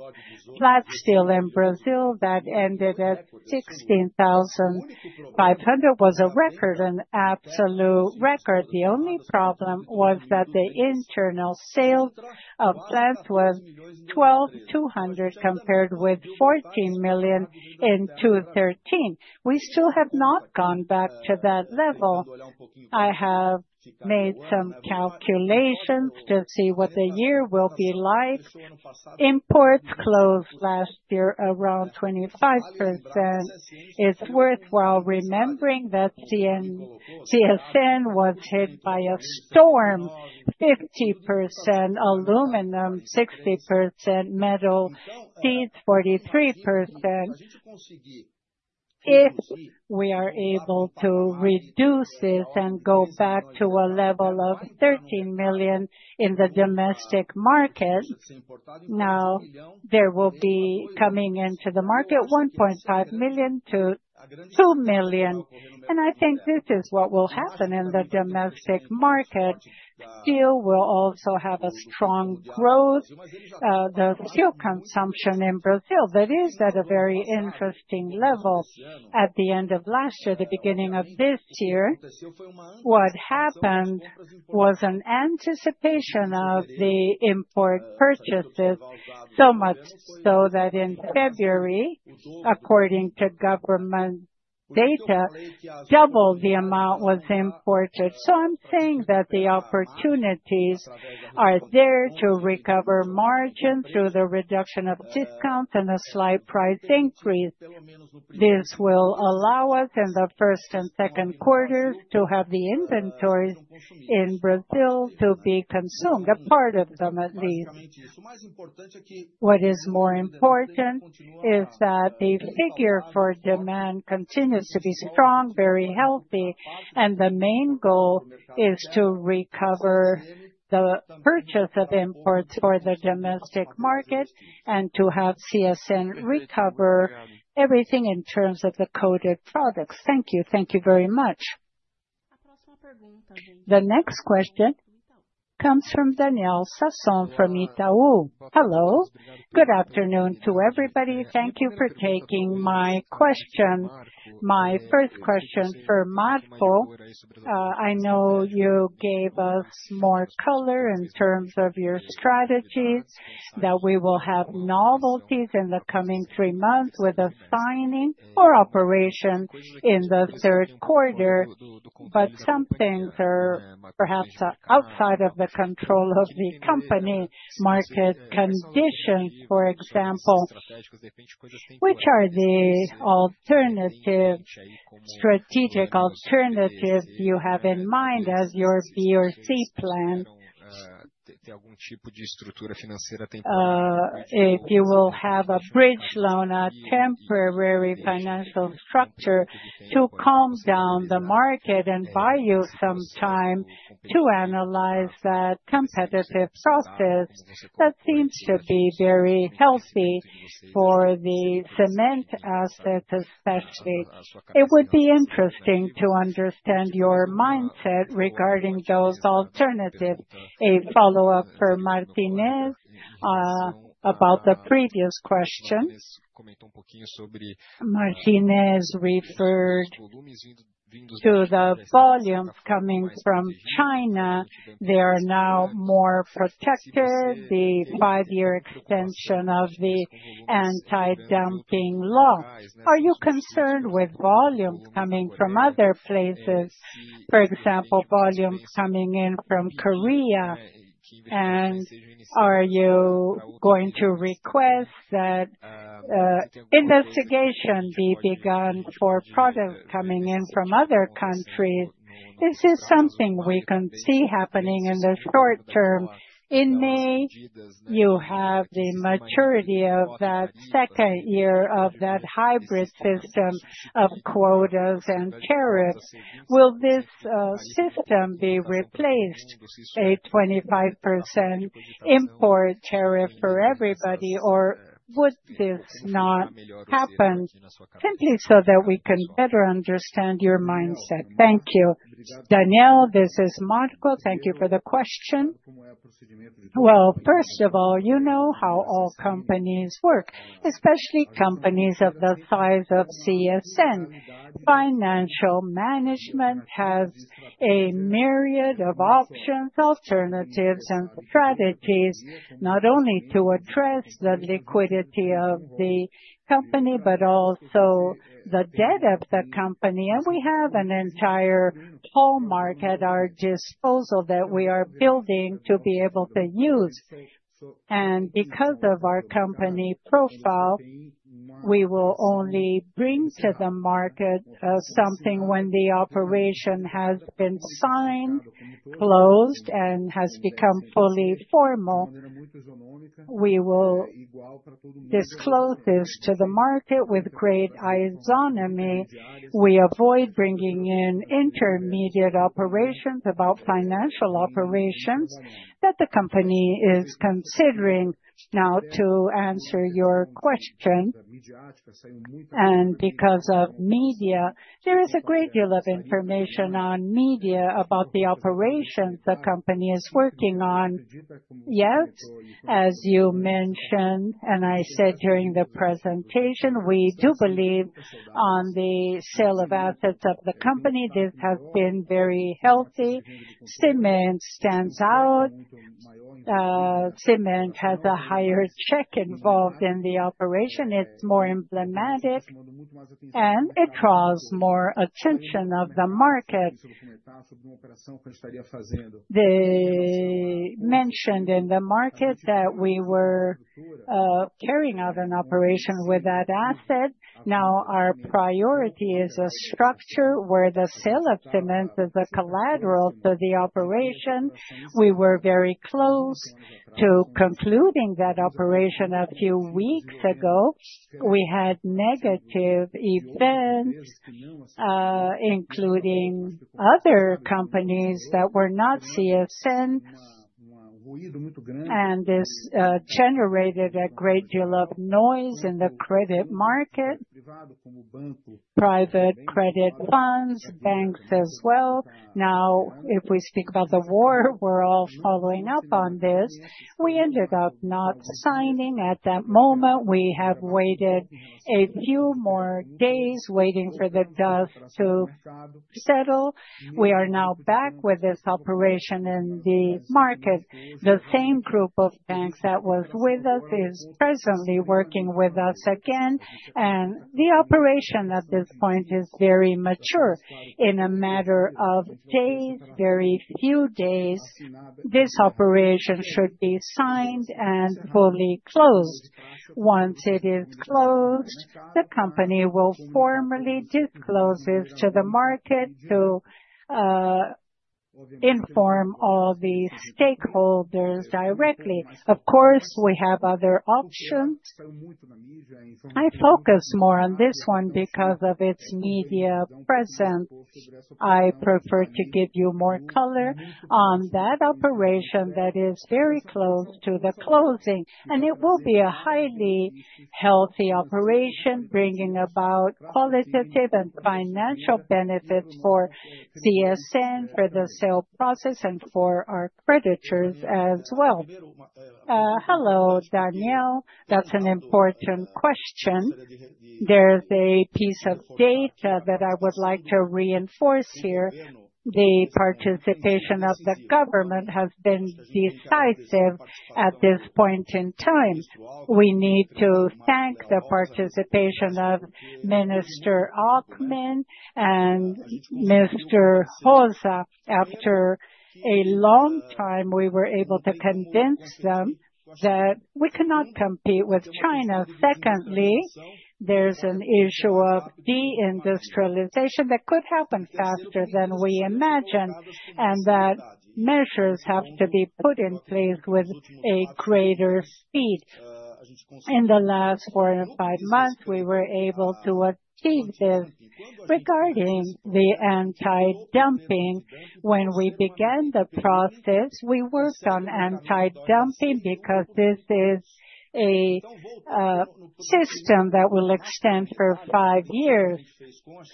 S4: flat steel in Brazil that ended at 16,500 was a record, an absolute record. The only problem was that the internal sale of that was 12,200 compared with 14 million in 2013. We still have not gone back to that level. I have made some calculations to see what the year will be like. Imports closed last year around 25%. It's worthwhile remembering that CSN was hit by a storm, 50% Galvalume, 60% metallic coated, sheets 43%. If we are able to reduce this and go back to a level of 13 million in the domestic market, now there will be coming into the market 1.5 million-2 million. I think this is what will happen in the domestic market. Steel will also have a strong growth. The steel consumption in Brazil, that is at a very interesting level. At the end of last year, the beginning of this year, what happened was an anticipation of the import purchases, so much so that in February, according to government data, double the amount was imported. I'm saying that the opportunities are there to recover margin through the reduction of discounts and a slight price increase. This will allow us in the first and second quarters to have the inventories in Brazil to be consumed, a part of them at least. What is more important is that the figure for demand continues to be strong, very healthy, and the main goal is to recover the purchase of imports for the domestic market and to have CSN recover everything in terms of the coated products.
S5: Thank you.
S1: Thank you very much. The next question comes from Daniel Sasson from Itaú.
S7: Hello. Good afternoon to everybody. Thank you for taking my questions. My first question for Marco. I know you gave us more color in terms of your strategies, that we will have novelties in the coming three months with a signing or operation in the third quarter. Some things are perhaps outside of the control of the company market conditions, for example. Which are the strategic alternatives you have in mind as your B or C plan? If you will have a bridge loan, a temporary financial structure to calm down the market and buy you some time to analyze that competitive process that seems to be very healthy for the cement assets especially. It would be interesting to understand your mindset regarding those alternatives. A follow-up for Martinez about the previous question. Martinez referred to the volumes coming from China. They are now more protected, the five-year extension of the anti-dumping law. Are you concerned with volumes coming in from other places, for example, volumes coming in from Korea? And are you going to request that investigation be begun for products coming in from other countries? This is something we can see happening in the short term. In May, you have the maturity of that second year of that hybrid system of quotas and tariffs. Will this system be replaced, a 25% import tariff for everybody, or would this not happen? Simply so that we can better understand your mindset. Thank you.
S2: Daniel, this is Marco. Thank you for the question. Well, first of all, you know how all companies work, especially companies of the size of CSN. Financial management has a myriad of options, alternatives, and strategies, not only to address the liquidity of the company, but also the debt of the company. We have an entire arsenal at our disposal that we are building to be able to use. Because of our company profile, we will only bring to the market something when the operation has been signed, closed, and has become fully formal. We will disclose this to the market with great isonomy. We avoid bringing in intermediate operations about financial operations that the company is considering now to answer your question. Because of media, there is a great deal of information on media about the operations the company is working on. Yes, as you mentioned, and I said during the presentation, we do believe on the sale of assets of the company. This has been very healthy. Cement stands out. Cement has a higher check involved in the operation. It's more emblematic, and it draws more attention of the market. They mentioned in the market that we were carrying out an operation with that asset. Now, our priority is a structure where the sale of cement is a collateral to the operation. We were very close to concluding that operation a few weeks ago. We had negative events, including other companies that were not CSN's, and this generated a great deal of noise in the credit market, private credit funds, banks as well. Now, if we speak about the war, we're all following up on this. We ended up not signing at that moment. We have waited a few more days waiting for the dust to settle. We are now back with this operation in the market. The same group of banks that was with us is presently working with us again, and the operation at this point is very mature. In a matter of days, very few days, this operation should be signed and fully closed. Once it is closed, the company will formally disclose this to the market to inform all the stakeholders directly. Of course, we have other options. I focus more on this one because of its media presence. I prefer to give you more color on that operation that is very close to the closing. It will be a highly healthy operation, bringing about qualitative and financial benefits for CSN, for the sale process, and for our creditors as well.
S6: Hello, Daniel. That's an important question. There's a piece of data that I would like to reinforce here. The participation of the government has been decisive at this point in time. We need to thank the participation of Minister Alckmin and Mr. Rosa. After a long time, we were able to convince them that we cannot compete with China. Secondly, there's an issue of deindustrialization that could happen faster than we imagined, and that measures have to be put in place with a greater speed. In the last four or five months, we were able to achieve this. Regarding the anti-dumping, when we began the process, we worked on anti-dumping because this is a system that will extend for five years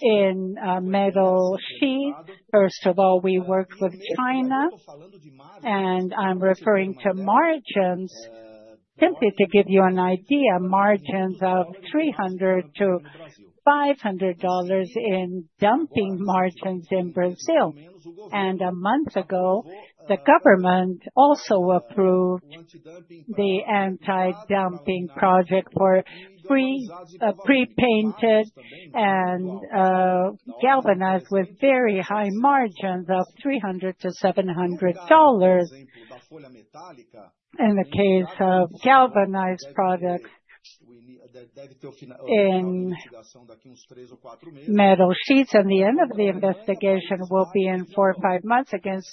S6: in metal sheet. First of all, we work with China, and I'm referring to margins. Simply to give you an idea, margins of $300-$500 in dumping margins in Brazil. A month ago, the government also approved the anti-dumping project for free pre-painted and galvanized with very high margins of $300-$700. In the case of galvanized products in metal sheets, and the end of the investigation will be in four or five months against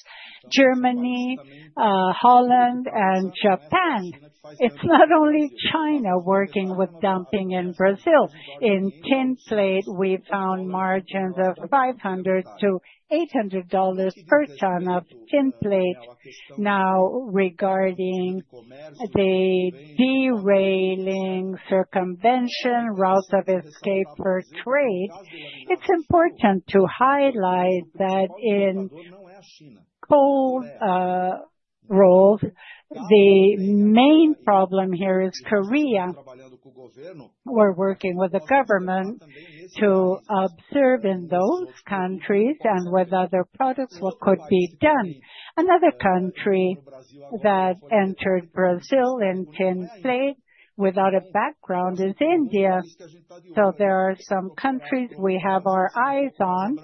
S6: Germany, Holland and Japan. It's not only China working with dumping in Brazil. In tin plate, we found margins of $500-$800 per ton of tin plate. Now, regarding the circumvention routes of escape for trade, it's important to highlight that in cold rolls, the main problem here is Korea. We're working with the government to observe in those countries and with other products what could be done. Another country that entered Brazil in tin plate without a background is India. There are some countries we have our eyes on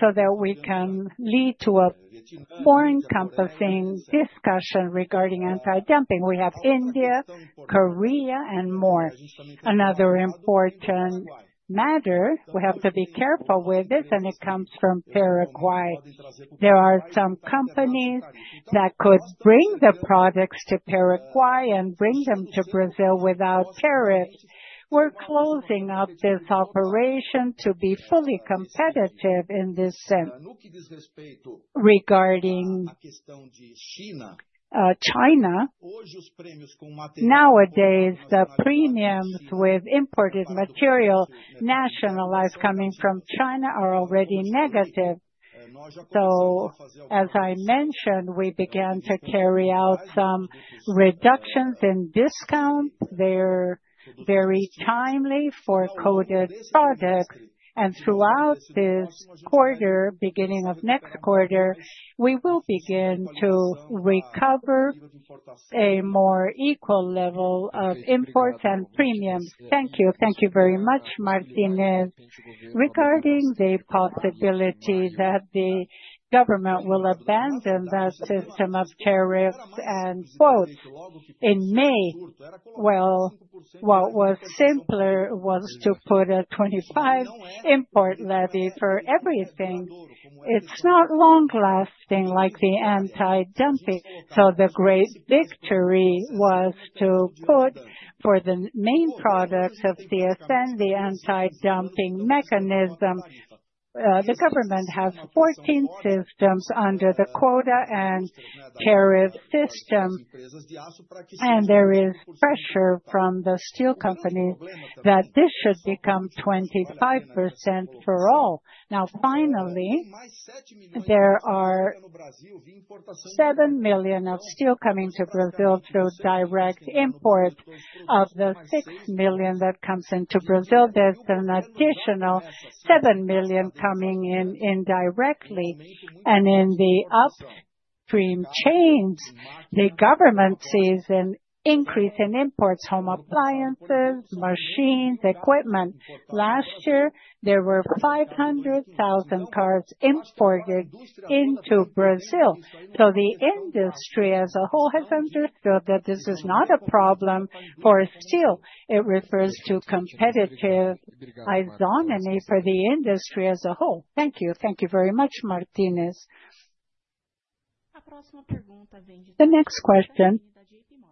S6: so that we can lead to a more encompassing discussion regarding anti-dumping. We have India, Korea and more. Another important matter, we have to be careful with this, and it comes from Paraguay. There are some companies that could bring the products to Paraguay and bring them to Brazil without tariffs. We're closing up this operation to be fully competitive in this sense. Regarding China, nowadays, the premiums with imported material nationalized coming from China are already negative. As I mentioned, we began to carry out some reductions in discount. They're very timely for coated products. Throughout this quarter, beginning of next quarter, we will begin to recover a more equal level of imports and premiums. Thank you.
S7: Thank you very much, Martinez. Regarding the possibility that the government will abandon the system of tariffs and quotas in May. What was simpler was to put a 25% import levy for everything.
S6: It's not long lasting like the anti-dumping, so the great victory was to put, for the main products of CSN, the anti-dumping mechanism. The government has 14 systems under the quota and tariff system, and there is pressure from the steel company that this should become 25% for all. Now finally, there are 7 million of steel coming to Brazil through direct import. Of the 6 million that comes into Brazil, there's an additional 7 million coming in indirectly. In the upstream chains, the government sees an increase in imports: home appliances, machines, equipment. Last year, there were 500,000 cars imported into Brazil. The industry as a whole has understood that this is not a problem for steel. It refers to competitive autonomy for the industry as a whole. Thank you.
S7: Thank you very much, Martinez.
S1: The next question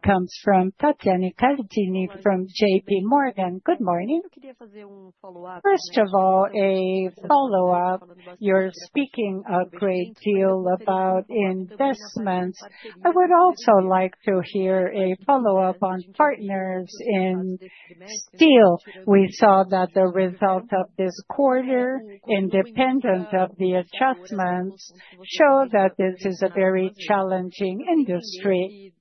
S1: comes from Tatiana Caldini from JPMorgan.
S8: Good morning. First of all, a follow-up. You're speaking a great deal about investments. I would also like to hear a follow-up on partners in steel. We saw that the results of this quarter, independent of the adjustments, show that this is a very challenging industry.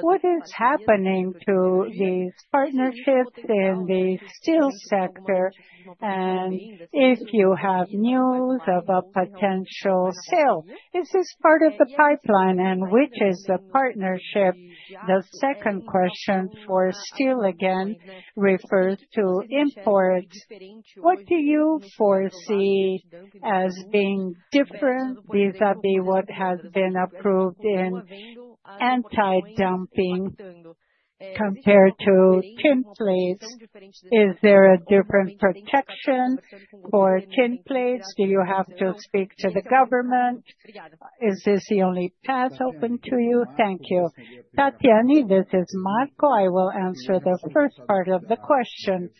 S8: What is happening to these partnerships in the steel sector, and if you have news of a potential sale? Is this part of the pipeline, and which is the partnership? The second question for steel again refers to imports. What do you foresee as being different vis-à-vis what has been approved in anti-dumping compared to tin plates? Is there a different protection for tin plates? Do you have to speak to the government? Is this the only path open to you? Thank you.
S2: Tatiana, this is Marco. I will answer the first part of the question.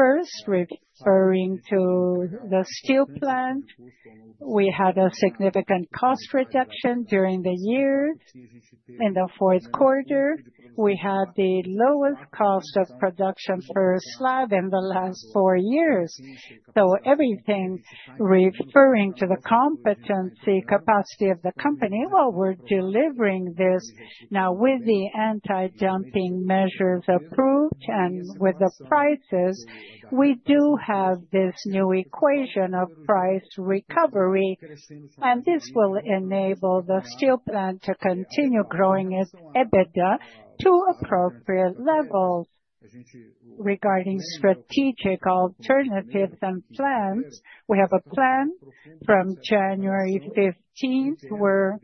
S2: First, referring to the steel plant, we had a significant cost reduction during the year. In the fourth quarter, we had the lowest cost of production per slab in the last four years. Everything's referring to the competitive capacity of the company while we're delivering this. Now, with the anti-dumping measures approved and with the prices, we do have this new equation of price recovery, and this will enable the steel plant to continue growing its EBITDA to appropriate levels. Regarding strategic alternatives and plans, we have a plan from January 15th. We're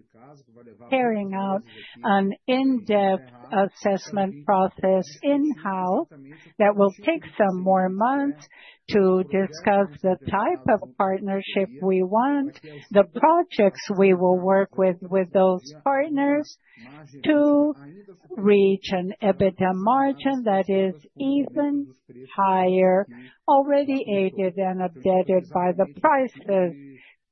S2: carrying out an in-depth assessment process in-house that will take some more months to discuss the type of partnership we want, the projects we will work with those partners to reach an EBITDA margin that is even higher, already aided and abetted by the prices.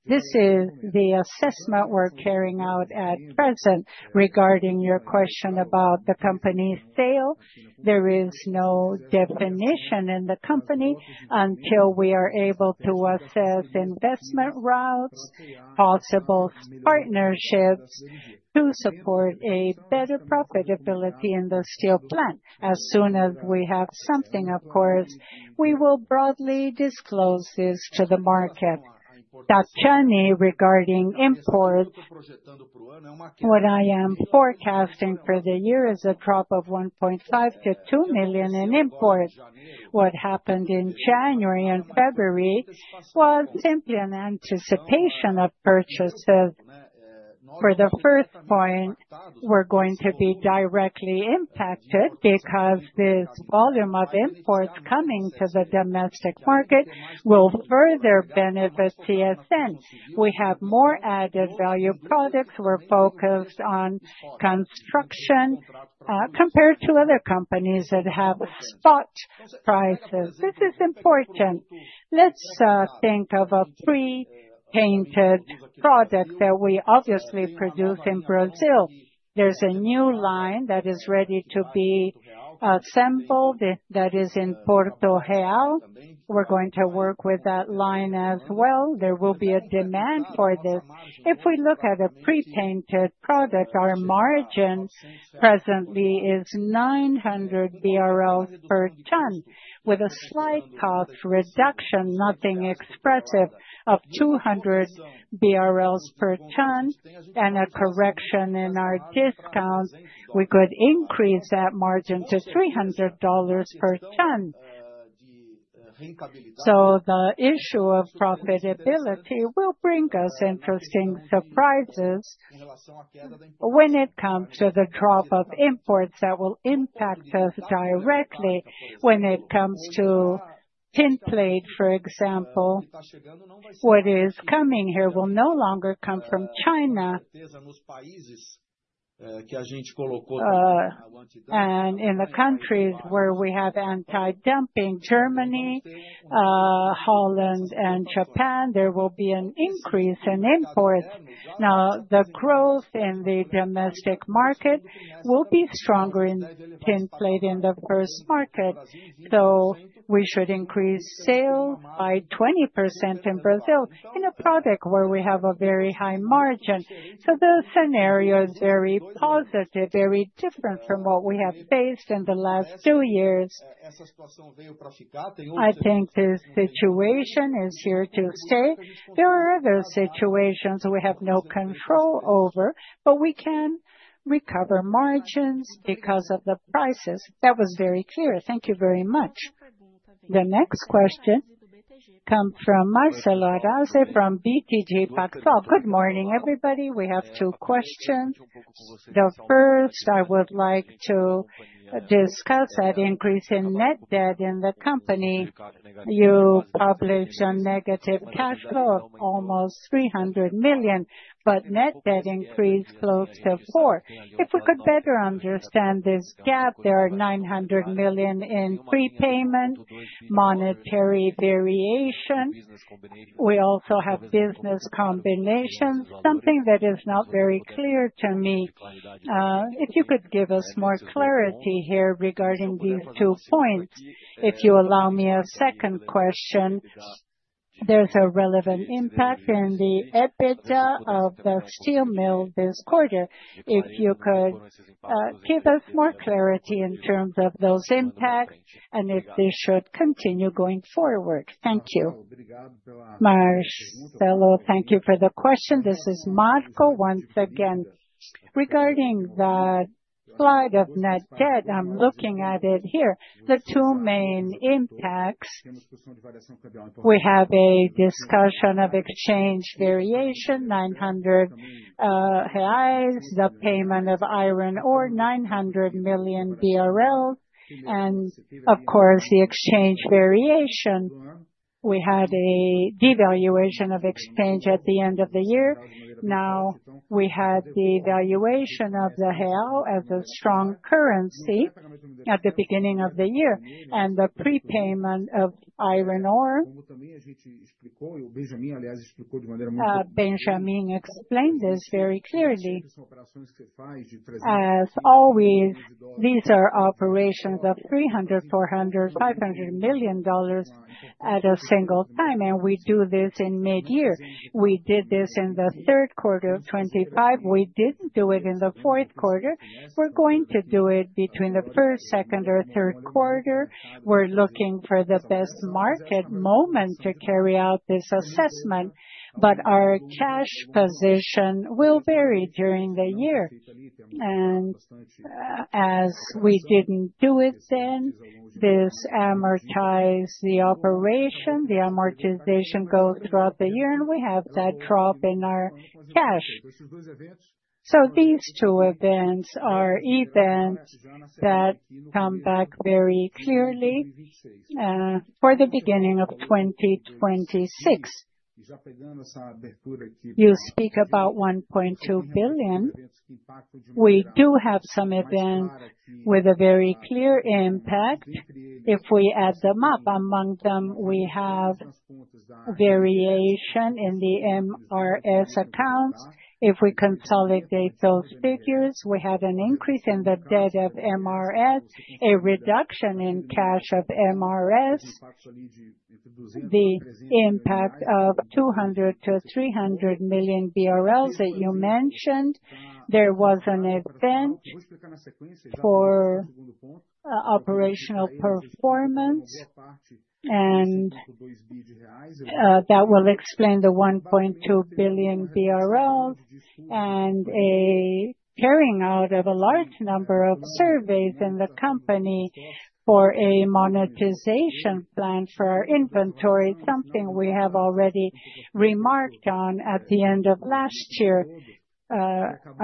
S2: This is the assessment we're carrying out at present. Regarding your question about the company's sale, there is no definition in the company until we are able to assess investment routes, possible partnerships to support a better profitability in the steel plant. As soon as we have something, of course, we will broadly disclose this to the market. Tatiana, regarding import, what I am forecasting for the year is a drop of 1.5 million-2 million in imports. What happened in January and February was simply an anticipation of purchases. For the first quarter, we're going to be directly impacted because this volume of imports coming to the domestic market will further benefit CSN. We have more added value products. We're focused on construction, compared to other companies that have spot prices. This is important. Let's think of a pre-painted product that we obviously produce in Brazil. There's a new line that is ready to be assembled that is in Porto Real. We're going to work with that line as well. There will be a demand for this. If we look at a pre-painted product, our margin presently is 900 BRL per ton, with a slight cost reduction, nothing expressive, of 200 BRL per ton and a correction in our discount, we could increase that margin to $300 per ton. The issue of profitability will bring us interesting surprises when it comes to the drop of imports that will impact us directly. When it comes to tin plate, for example, what is coming here will no longer come from China. In the countries where we have anti-dumping, Germany, Holland and Japan, there will be an increase in imports. Now, the growth in the domestic market will be stronger in tin plate in the first market. We should increase sale by 20% in Brazil in a product where we have a very high margin. The scenario is very positive, very different from what we have faced in the last two years. I think this situation is here to stay. There are other situations we have no control over, but we can recover margins because of the prices.
S8: That was very clear. Thank you very much.
S1: The next question comes from Marcelo Arazi from BTG Pactual.
S9: Good morning, everybody. We have two questions. The first I would like to discuss that increase in net debt in the company. You published a negative cash flow of almost 300 million, but net debt increased close to 400 million. If we could better understand this gap. There are 900 million in prepayment, monetary variation. We also have business combinations, something that is not very clear to me. If you could give us more clarity here regarding these two points. If you allow me a second question. There's a relevant impact in the EBITDA of the steel mill this quarter. If you could give us more clarity in terms of those impacts and if they should continue going forward. Thank you.
S2: Marcelo, thank you for the question. This is Marco once again. Regarding the slide of net debt, I'm looking at it here. The two main impacts, we have a discussion of exchange variation, 900 reais, the payment of iron ore, 900 million BRL, and of course, the exchange variation. We had a devaluation of exchange at the end of the year. Now we had the valuation of the real as a strong currency at the beginning of the year and the prepayment of iron ore. Benjamin explained this very clearly. As always, these are operations of $300 million-$500 million at a single time, and we do this in mid-year. We did this in the third quarter of 2025. We didn't do it in the fourth quarter. We're going to do it between the first, second or third quarter. We're looking for the best market moment to carry out this assessment, but our cash position will vary during the year. As we didn't do it then, this amortize the operation, the amortization goes throughout the year, and we have that drop in our cash. These two events are events that come back very clearly for the beginning of 2026. You speak about 1.2 billion. We do have some event with a very clear impact. If we add them up, among them, we have variation in the MRS accounts. If we consolidate those figures, we have an increase in the debt of MRS, a reduction in cash of MRS. The impact of 200 million-300 million BRL that you mentioned, there was an event for operational performance and that will explain the 1.2 billion BRL and a carrying out of a large number of surveys in the company for a monetization plan for our inventory, something we have already remarked on at the end of last year,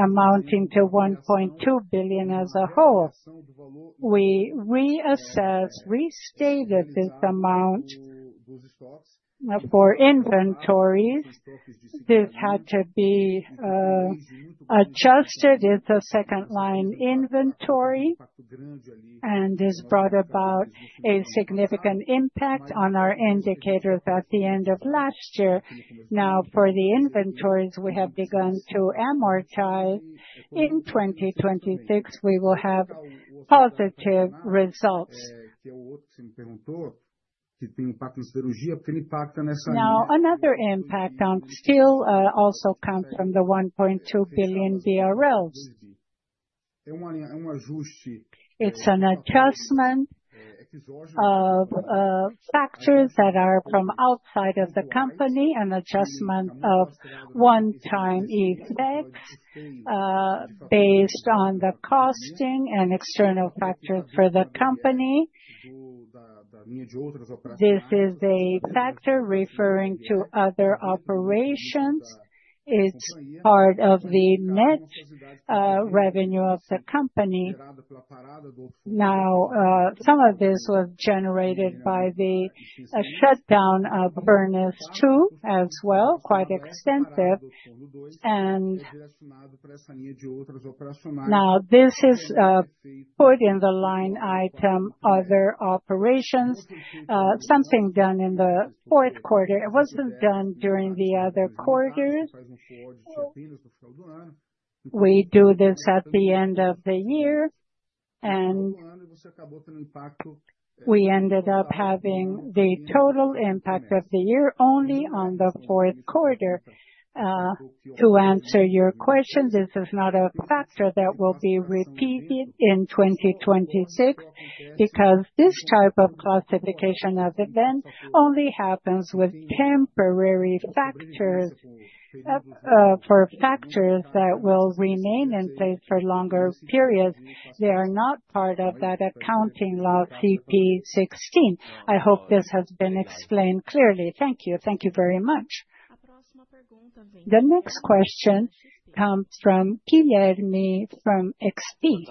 S2: amounting to 1.2 billion as a whole. We reassess, restated this amount for inventories. This had to be adjusted. It's a second-line inventory, and this brought about a significant impact on our indicators at the end of last year. Now, for the inventories we have begun to amortize. In 2026, we will have positive results. Now, another impact on steel also comes from the 1.2 billion BRL. It's an adjustment of factors that are from outside of the company, an adjustment of one-time effects, based on the costing and external factors for the company. This is a factor referring to other operations. It's part of the net revenue of the company. Now, some of this was generated by the shutdown of furnace two as well, quite extensive. Now, this is put in the line item, other operations, something done in the fourth quarter. It wasn't done during the other quarters. We do this at the end of the year, and we ended up having the total impact of the year only on the fourth quarter. To answer your question, this is not a factor that will be repeated in 2026, because this type of classification of events only happens with temporary factors. For factors that will remain in place for longer periods, they are not part of that accounting law CPC 16. I hope this has been explained clearly. Thank you.
S9: Thank you very much.
S1: The next question comes from Guilherme from XP.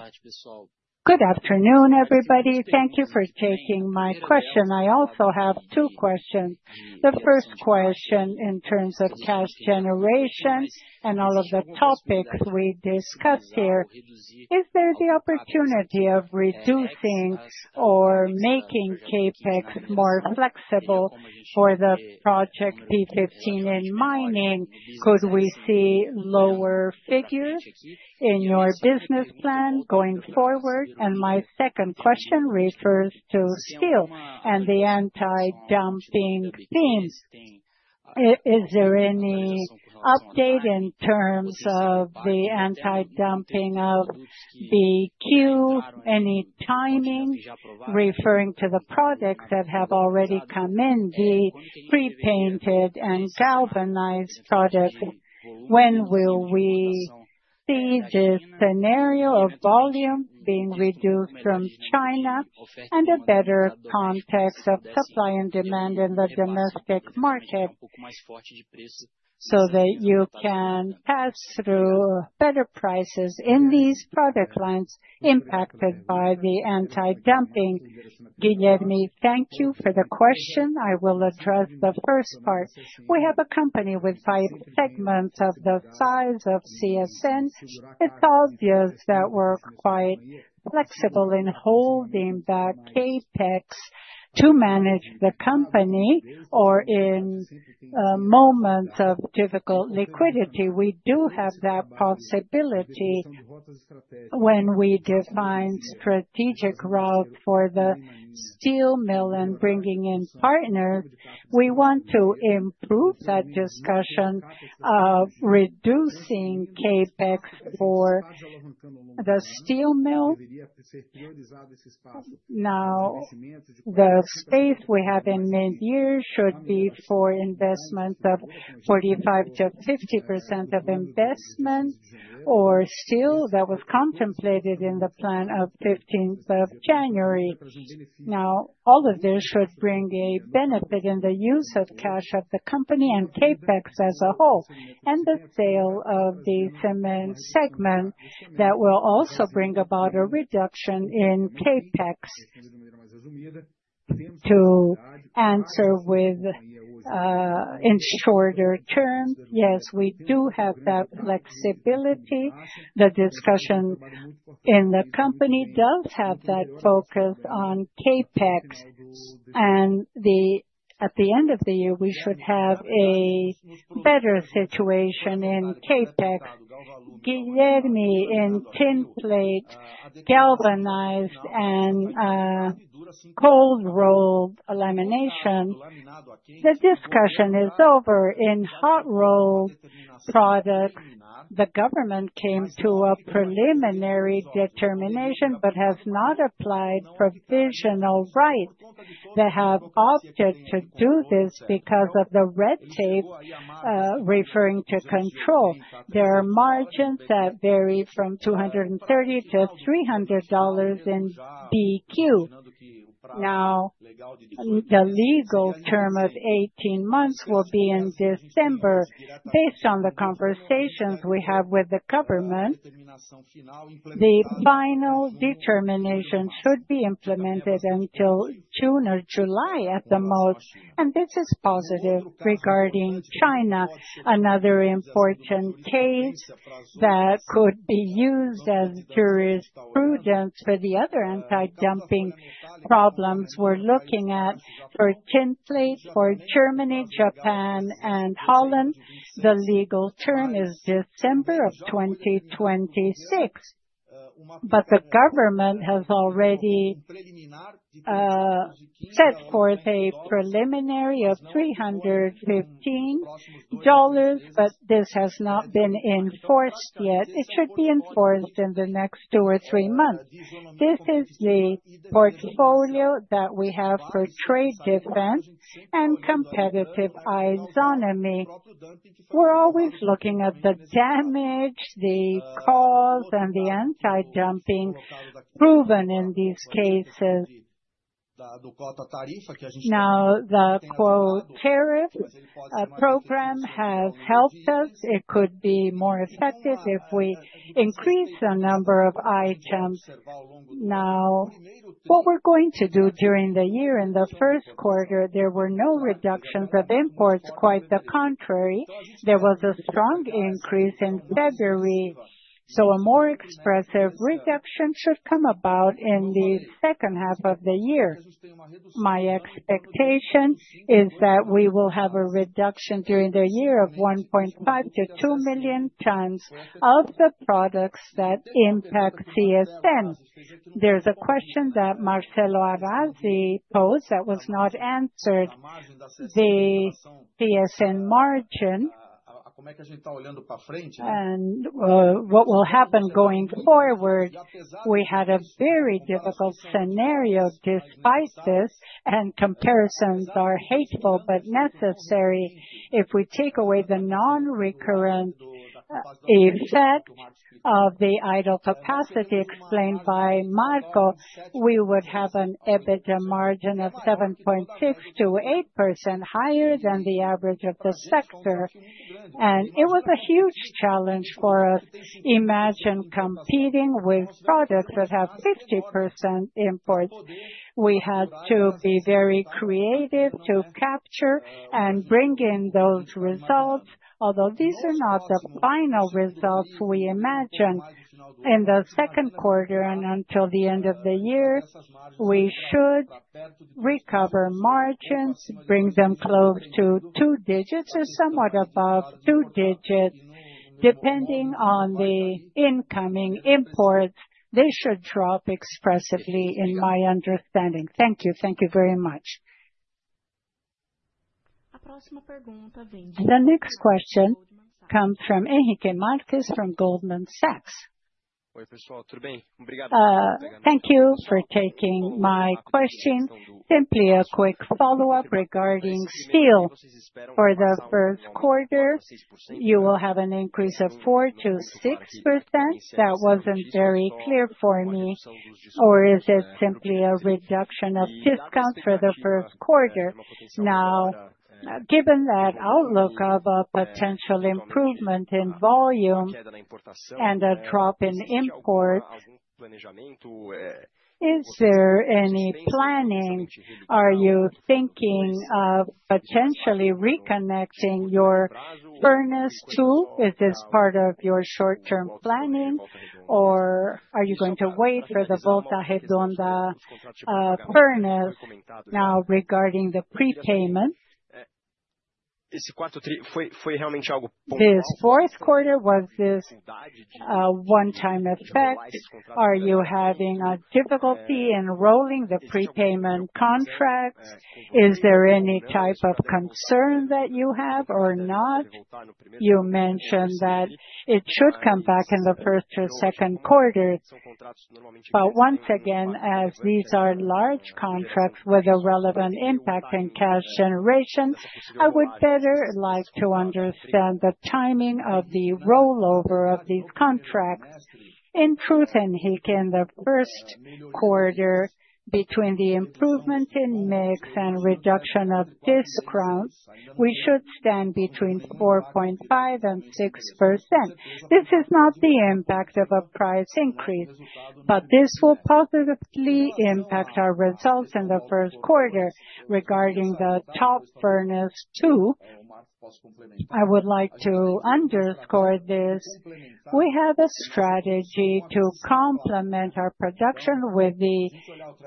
S10: Good afternoon, everybody. Thank you for taking my question. I also have two questions. The first question in terms of cash generation and all of the topics we discussed here, is there the opportunity of reducing or making CapEx more flexible for the project P-15 in mining? Could we see lower figures in your business plan going forward? My second question refers to steel and the anti-dumping themes. Is there any update in terms of the anti-dumping of the queue? Any timing referring to the products that have already come in, the pre-painted and galvanized products? When will we see this scenario of volume being reduced from China and a better context of supply and demand in the domestic market, so that you can pass through better prices in these product lines impacted by the anti-dumping?
S4: Guilherme, thank you for the question. I will address the first part. We have a company with five segments of the size of CSN. It's obvious that we're quite flexible in holding that CapEx to manage the company or in moments of difficult liquidity. We do have that possibility when we define strategic route for the steel mill and bringing in partner. We want to improve that discussion of reducing CapEx for the steel mill. Now, the space we have in midyear should be for investments of 45%-50% of investment or steel that was contemplated in the plan of 15th of January. Now, all of this should bring a benefit in the use of cash of the company and CapEx as a whole, and the sale of the cement segment that will also bring about a reduction in CapEx. To answer in shorter terms, yes, we do have that flexibility. The discussion in the company does have that focus on CapEx. At the end of the year, we should have a better situation in CapEx. Guilherme, in tin plate, galvanized and cold rolled lamination, the discussion is over. In hot rolled product, the government came to a preliminary determination but has not applied provisional rights. They have opted to do this because of the red tape referring to control. There are margins that vary from $230-$300 in BQ. Now, the legal term of 18 months will be in December.
S6: Based on the conversations we have with the government, the final determination should be implemented until June or July at the most, and this is positive. Regarding China, another important case that could be used as jurisprudence for the other anti-dumping problems we're looking at. For tin plate, for Germany, Japan and Holland, the legal term is December of 2026. The government has already set forth a preliminary of $315, but this has not been enforced yet. It should be enforced in the next two or three months. This is the portfolio that we have for trade defense and competitive isonomy. We're always looking at the damage, the cause, and the anti-dumping proven in these cases. Now, the quota tariff program has helped us. It could be more effective if we increase the number of items. Now, what we're going to do during the year, in the first quarter, there were no reductions of imports, quite the contrary. There was a strong increase in February, so a more expressive reduction should come about in the second half of the year. My expectation is that we will have a reduction during the year of 1.5 million-2 million tons of the products that impact CSN. There's a question that Marcelo Arazi posed that was not answered. The CSN margin and what will happen going forward, we had a very difficult scenario despite this, and comparisons are hateful but necessary. If we take away the non-recurrent effect of the idle capacity explained by Marco, we would have an EBITDA margin of 7.6%-8% higher than the average of the sector. It was a huge challenge for us. Imagine competing with products that have 50% imports. We had to be very creative to capture and bring in those results. Although these are not the final results we imagined. In the second quarter and until the end of the year, we should recover margins, bring them close to two digits or somewhat above two digits. Depending on the incoming imports, they should drop impressively in my understanding. Thank you.
S10: Thank you very much.
S1: The next question comes from Henrique Marques from Goldman Sachs.
S11: Thank you for taking my question. Simply a quick follow-up regarding steel. For the first quarter, you will have an increase of 4%-6%. That wasn't very clear for me. Or is it simply a reduction of discounts for the first quarter? Now, given that outlook of a potential improvement in volume and a drop in imports, is there any planning? Are you thinking of potentially reconnecting your furnace too? Is this part of your short-term planning, or are you going to wait for the Volta Redonda furnace? Now, regarding the prepayment. This fourth quarter, was this one-time effect? Are you having a difficulty in rolling the prepayment contracts? Is there any type of concern that you have or not? You mentioned that it should come back in the first or second quarter. Once again, as these are large contracts with a relevant impact in cash generation, I would better like to understand the timing of the rollover of these contracts.
S6: In truth, Henrique, in the first quarter, between the improvement in mix and reduction of discounts, we should stand between 4.5% and 6%. This is not the impact of a price increase, but this will positively impact our results in the first quarter. Regarding the top Furnace 2, I would like to underscore this. We have a strategy to complement our production with the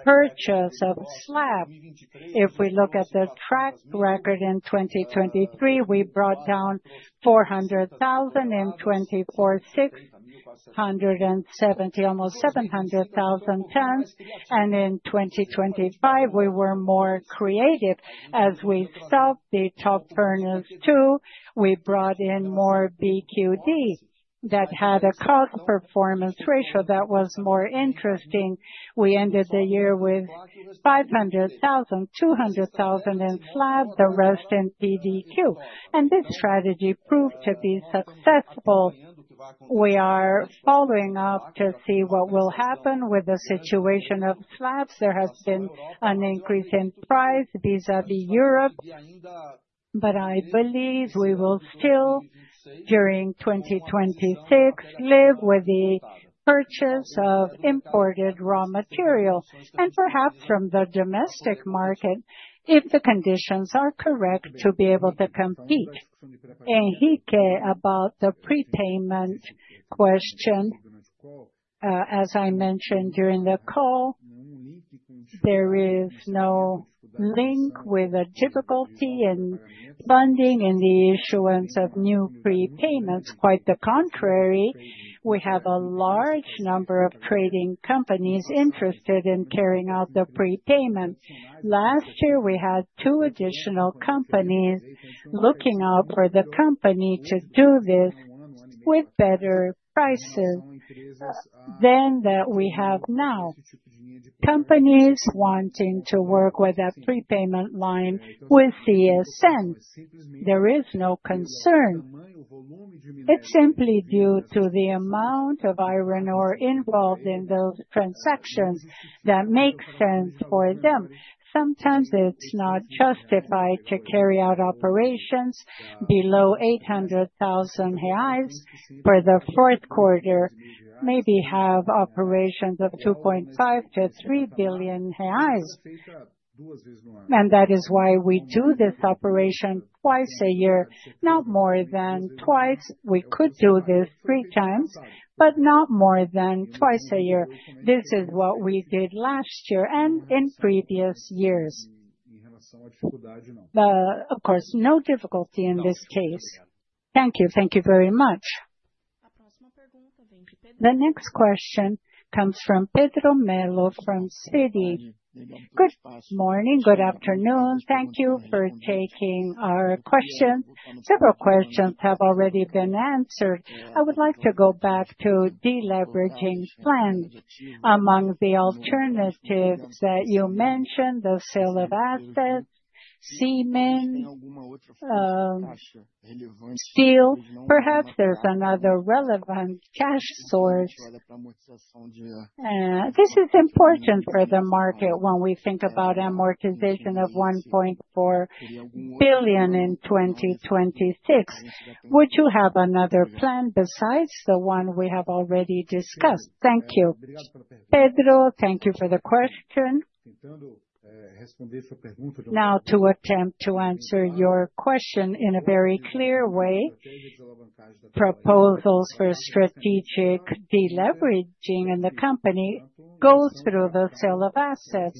S6: purchase of slab. If we look at the track record in 2023, we brought in 400,000 and in 2024, 670 -- almost 700,000 tons. In 2025, we were more creative. As we stopped the top Furnace 2, we brought in more BQD that had a cost performance ratio that was more interesting. We ended the year with 500,000, 200,000 in slab, the rest in PDQ. This strategy proved to be successful. We are following up to see what will happen with the situation of slabs.
S2: There has been an increase in price vis-à-vis Europe, but I believe we will still, during 2026, live with the purchase of imported raw material, and perhaps from the domestic market, if the conditions are correct to be able to compete. Enrique, about the prepayment question, as I mentioned during the call, there is no link with the difficulty in funding and the issuance of new prepayments. Quite the contrary, we have a large number of trading companies interested in carrying out the prepayment. Last year, we had two additional companies looking out for the company to do this with better prices than that we have now. Companies wanting to work with a prepayment line with CSN. There is no concern. It's simply due to the amount of iron ore involved in those transactions that makes sense for them. Sometimes it's not justified to carry out operations below 800,000 reais. For the fourth quarter, maybe have operations of 2.5 billion-3 billion reais. That is why we do this operation twice a year. Not more than twice. We could do this 3x, but not more than twice a year. This is what we did last year and in previous years. Of course, no difficulty in this case. Thank you.
S11: Thank you very much.
S1: The next question comes from Pedro Melo from Citi.
S12: Good morning. Good afternoon. Thank you for taking our question. Several questions have already been answered. I would like to go back to deleveraging plans. Among the alternatives that you mentioned, the sale of assets, cement, steel. Perhaps there's another relevant cash source. This is important for the market when we think about amortization of 1.4 billion in 2026. Would you have another plan besides the one we have already discussed? Thank you.
S2: Pedro, thank you for the question. Now to attempt to answer your question in a very clear way, proposals for strategic deleveraging in the company goes through the sale of assets,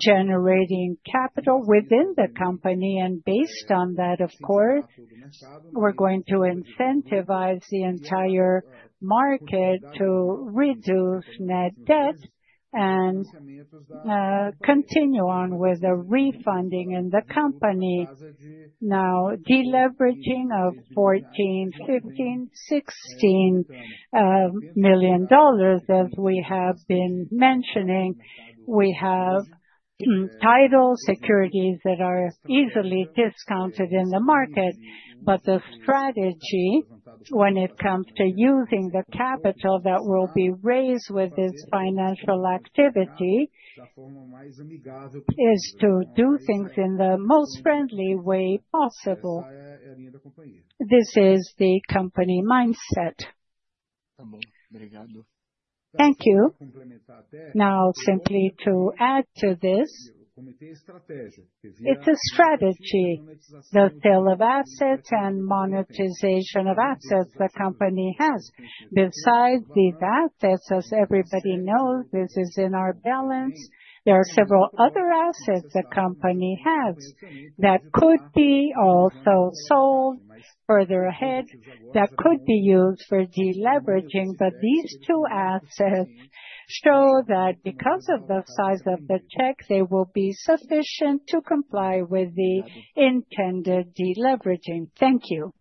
S2: generating capital within the company, and based on that, of course, we're going to incentivize the entire market to reduce net debt and, continue on with the refunding in the company. Now deleveraging of $14 million, $15 million, $16 million as we have been mentioning. We have title securities that are easily discounted in the market. The strategy when it comes to using the capital that will be raised with this financial activity is to do things in the most friendly way possible. This is the company mindset.
S12: Thank you.
S4: Now, simply to add to this, it's a strategy, the sale of assets and monetization of assets the company has. Besides these assets, as everybody knows, this is in our balance. There are several other assets the company has that could be also sold further ahead, that could be used for deleveraging. These two assets show that because of the size of the check, they will be sufficient to comply with the intended deleveraging.
S12: Thank you.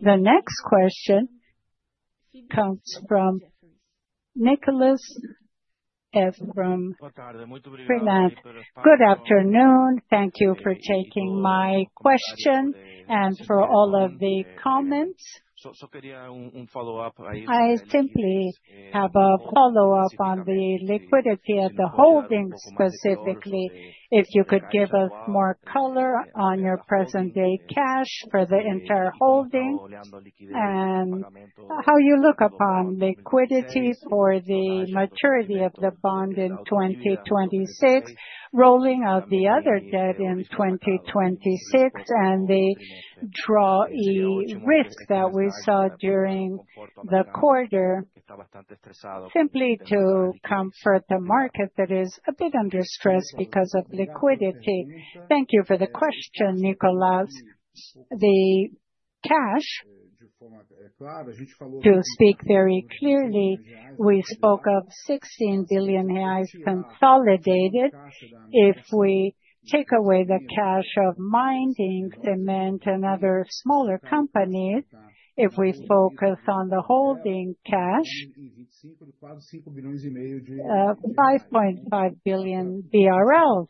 S1: The next question comes from Nicholas S. from [Balanz].
S13: Good afternoon. Thank you for taking my question and for all of the comments. I simply have a follow-up on the liquidity of the holdings, specifically, if you could give us more color on your present day cash for the entire holdings and how you look upon liquidity for the maturity of the bond in 2026, rolling out the other debt in 2026, and the drawdown risk that we saw during the quarter, simply to comfort the market that is a bit under stress because of liquidity.
S2: Thank you for the question, Nicholas. The cash, to speak very clearly, we spoke of 16 billion reais consolidated. If we take away the cash of mining, cement, and other smaller companies, if we focus on the holding cash, 5.5 billion BRL,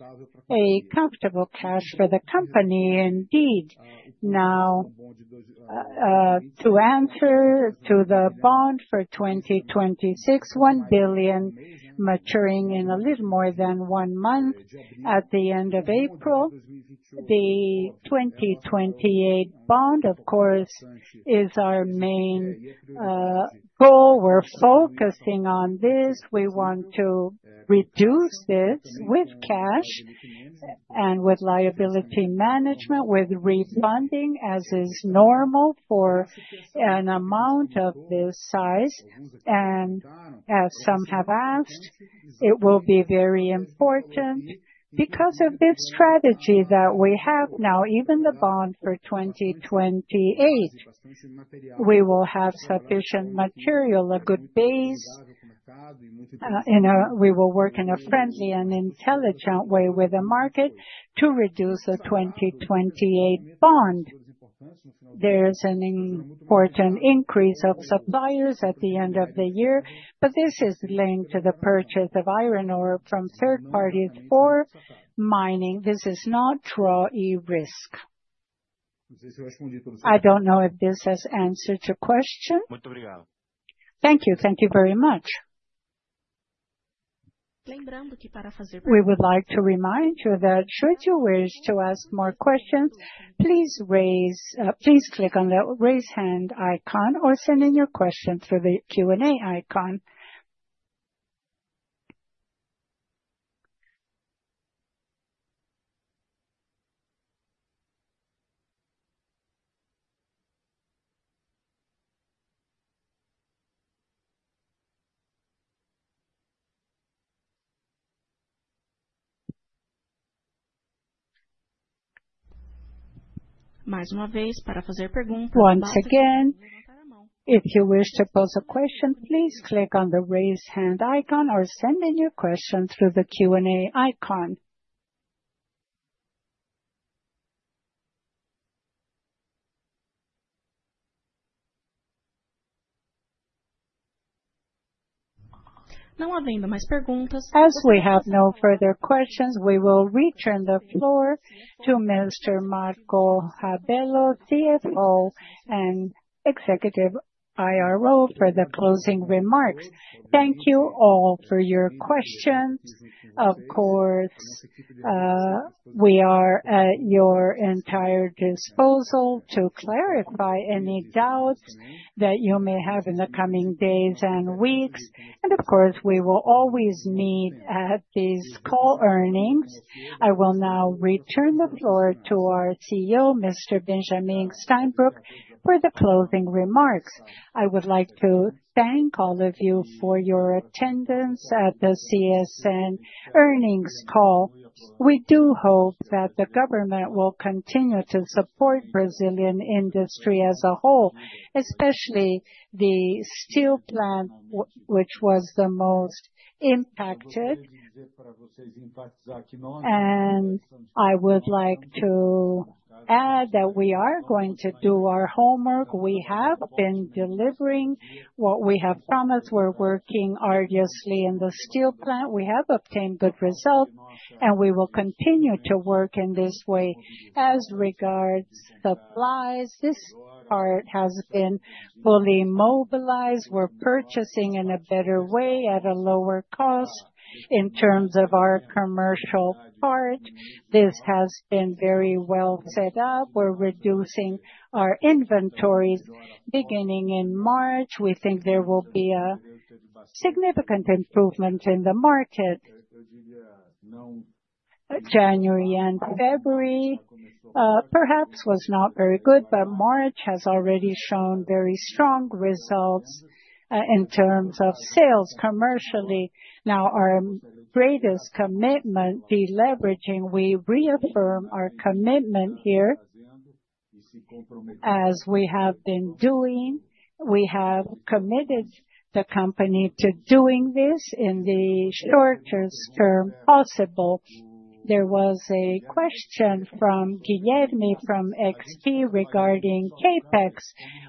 S2: a comfortable cash for the company indeed. Now, to answer to the bond for 2026, $1 billion maturing in a little more than one month at the end of April. The 2028 bond, of course, is our main goal. We're focusing on this. We want to reduce this with cash and with liability management, with refunding as is normal for an amount of this size. As some have asked, it will be very important because of this strategy that we have now, even the bond for 2028. We will have sufficient material, a good base. We will work in a friendly and intelligent way with the market to reduce the 2028 bond. There's an important increase of suppliers at the end of the year, but this is linked to the purchase of iron ore from third parties for mining. This is not drawdown risk. I don't know if this has answered your question.
S13: Thank you.
S2: Thank you very much.
S1: We would like to remind you that should you wish to ask more questions, please click on the Raise Hand icon or send in your question through the Q&A icon. Once again, if you wish to pose a question, please click on the Raise Hand icon or send in your question through the Q&A icon. As we have no further questions, we will return the floor to Mr. Marco Rabello, CFO and Executive IRO, for the closing remarks. Thank you all for your questions. Of course, we are at your entire disposal to clarify any doubts that you may have in the coming days and weeks. Of course, we will always meet at these earnings calls. I will now return the floor to our CEO, Mr. Benjamin Steinbruch, for the closing remarks.
S4: I would like to thank all of you for your attendance at the CSN earnings call. We do hope that the government will continue to support Brazilian industry as a whole, especially the steel plant, which was the most impacted. I would like to add that we are going to do our homework. We have been delivering what we have promised. We're working arduously in the steel plant. We have obtained good results, and we will continue to work in this way. As regards supplies, this part has been fully mobilized. We're purchasing in a better way at a lower cost. In terms of our commercial part, this has been very well set up. We're reducing our inventories beginning in March. We think there will be a significant improvement in the market. January and February, perhaps was not very good, but March has already shown very strong results, in terms of sales commercially. Now our greatest commitment, deleveraging, we reaffirm our commitment here as we have been doing. We have committed the company to doing this in the shortest term possible. There was a question from Guilherme from XP regarding CapEx.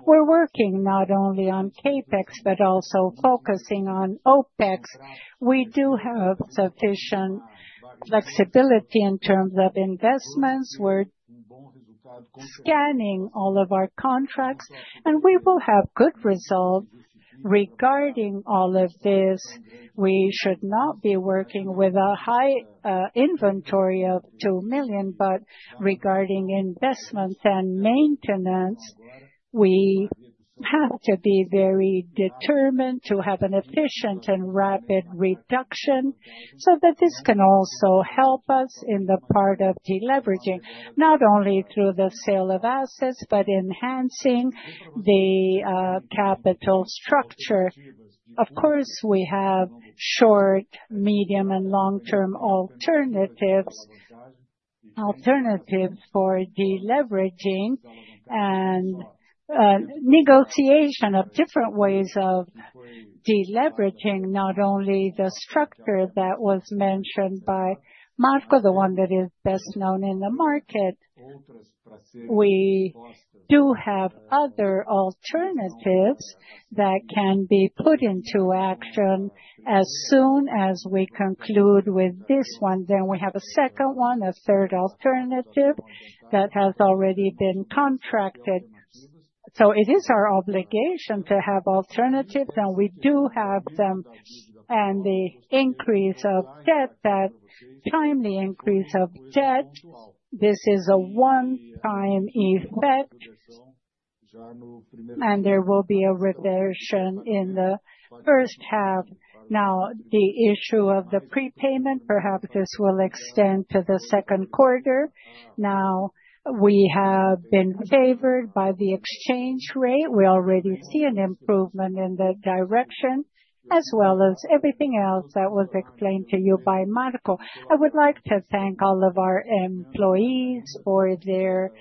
S4: We're working not only on CapEx but also focusing on OpEx. We do have sufficient flexibility in terms of investments. We're scanning all of our contracts, and we will have good results regarding all of this. We should not be working with a high inventory of 2 million, but regarding investments and maintenance, we have to be very determined to have an efficient and rapid reduction so that this can also help us in the part of deleveraging, not only through the sale of assets, but enhancing the capital structure. Of course, we have short, medium and long-term alternatives for deleveraging and negotiation of different ways of deleveraging, not only the structure that was mentioned by Marco, the one that is best known in the market. We do have other alternatives that can be put into action as soon as we conclude with this one. We have a second one, a third alternative that has already been contracted. It is our obligation to have alternatives, and we do have them. The increase of debt, that timely increase of debt, this is a one-time effect. There will be a reversion in the first half. Now, the issue of the prepayment, perhaps this will extend to the second quarter. Now, we have been favored by the exchange rate. We already see an improvement in that direction, as well as everything else that was explained to you by Marco. I would like to thank all of our employees for their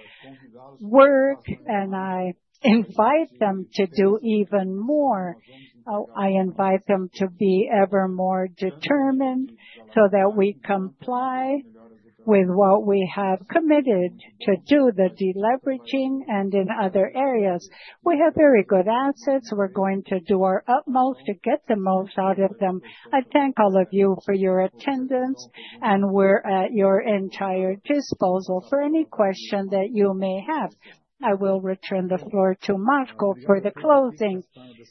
S4: work, and I invite them to do even more. I invite them to be ever more determined so that we comply with what we have committed to do, the deleveraging and in other areas. We have very good assets. We're going to do our utmost to get the most out of them. I thank all of you for your attendance, and we're at your entire disposal for any question that you may have. I will return the floor to Marco for the closing.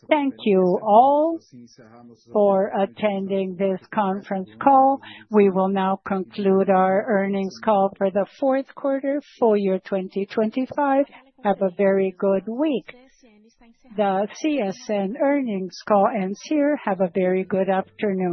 S2: Thank you all for attending this conference call. We will now conclude our earnings call for the fourth quarter, full year 2025. Have a very good week. The CSN earnings call ends here. Have a very good afternoon.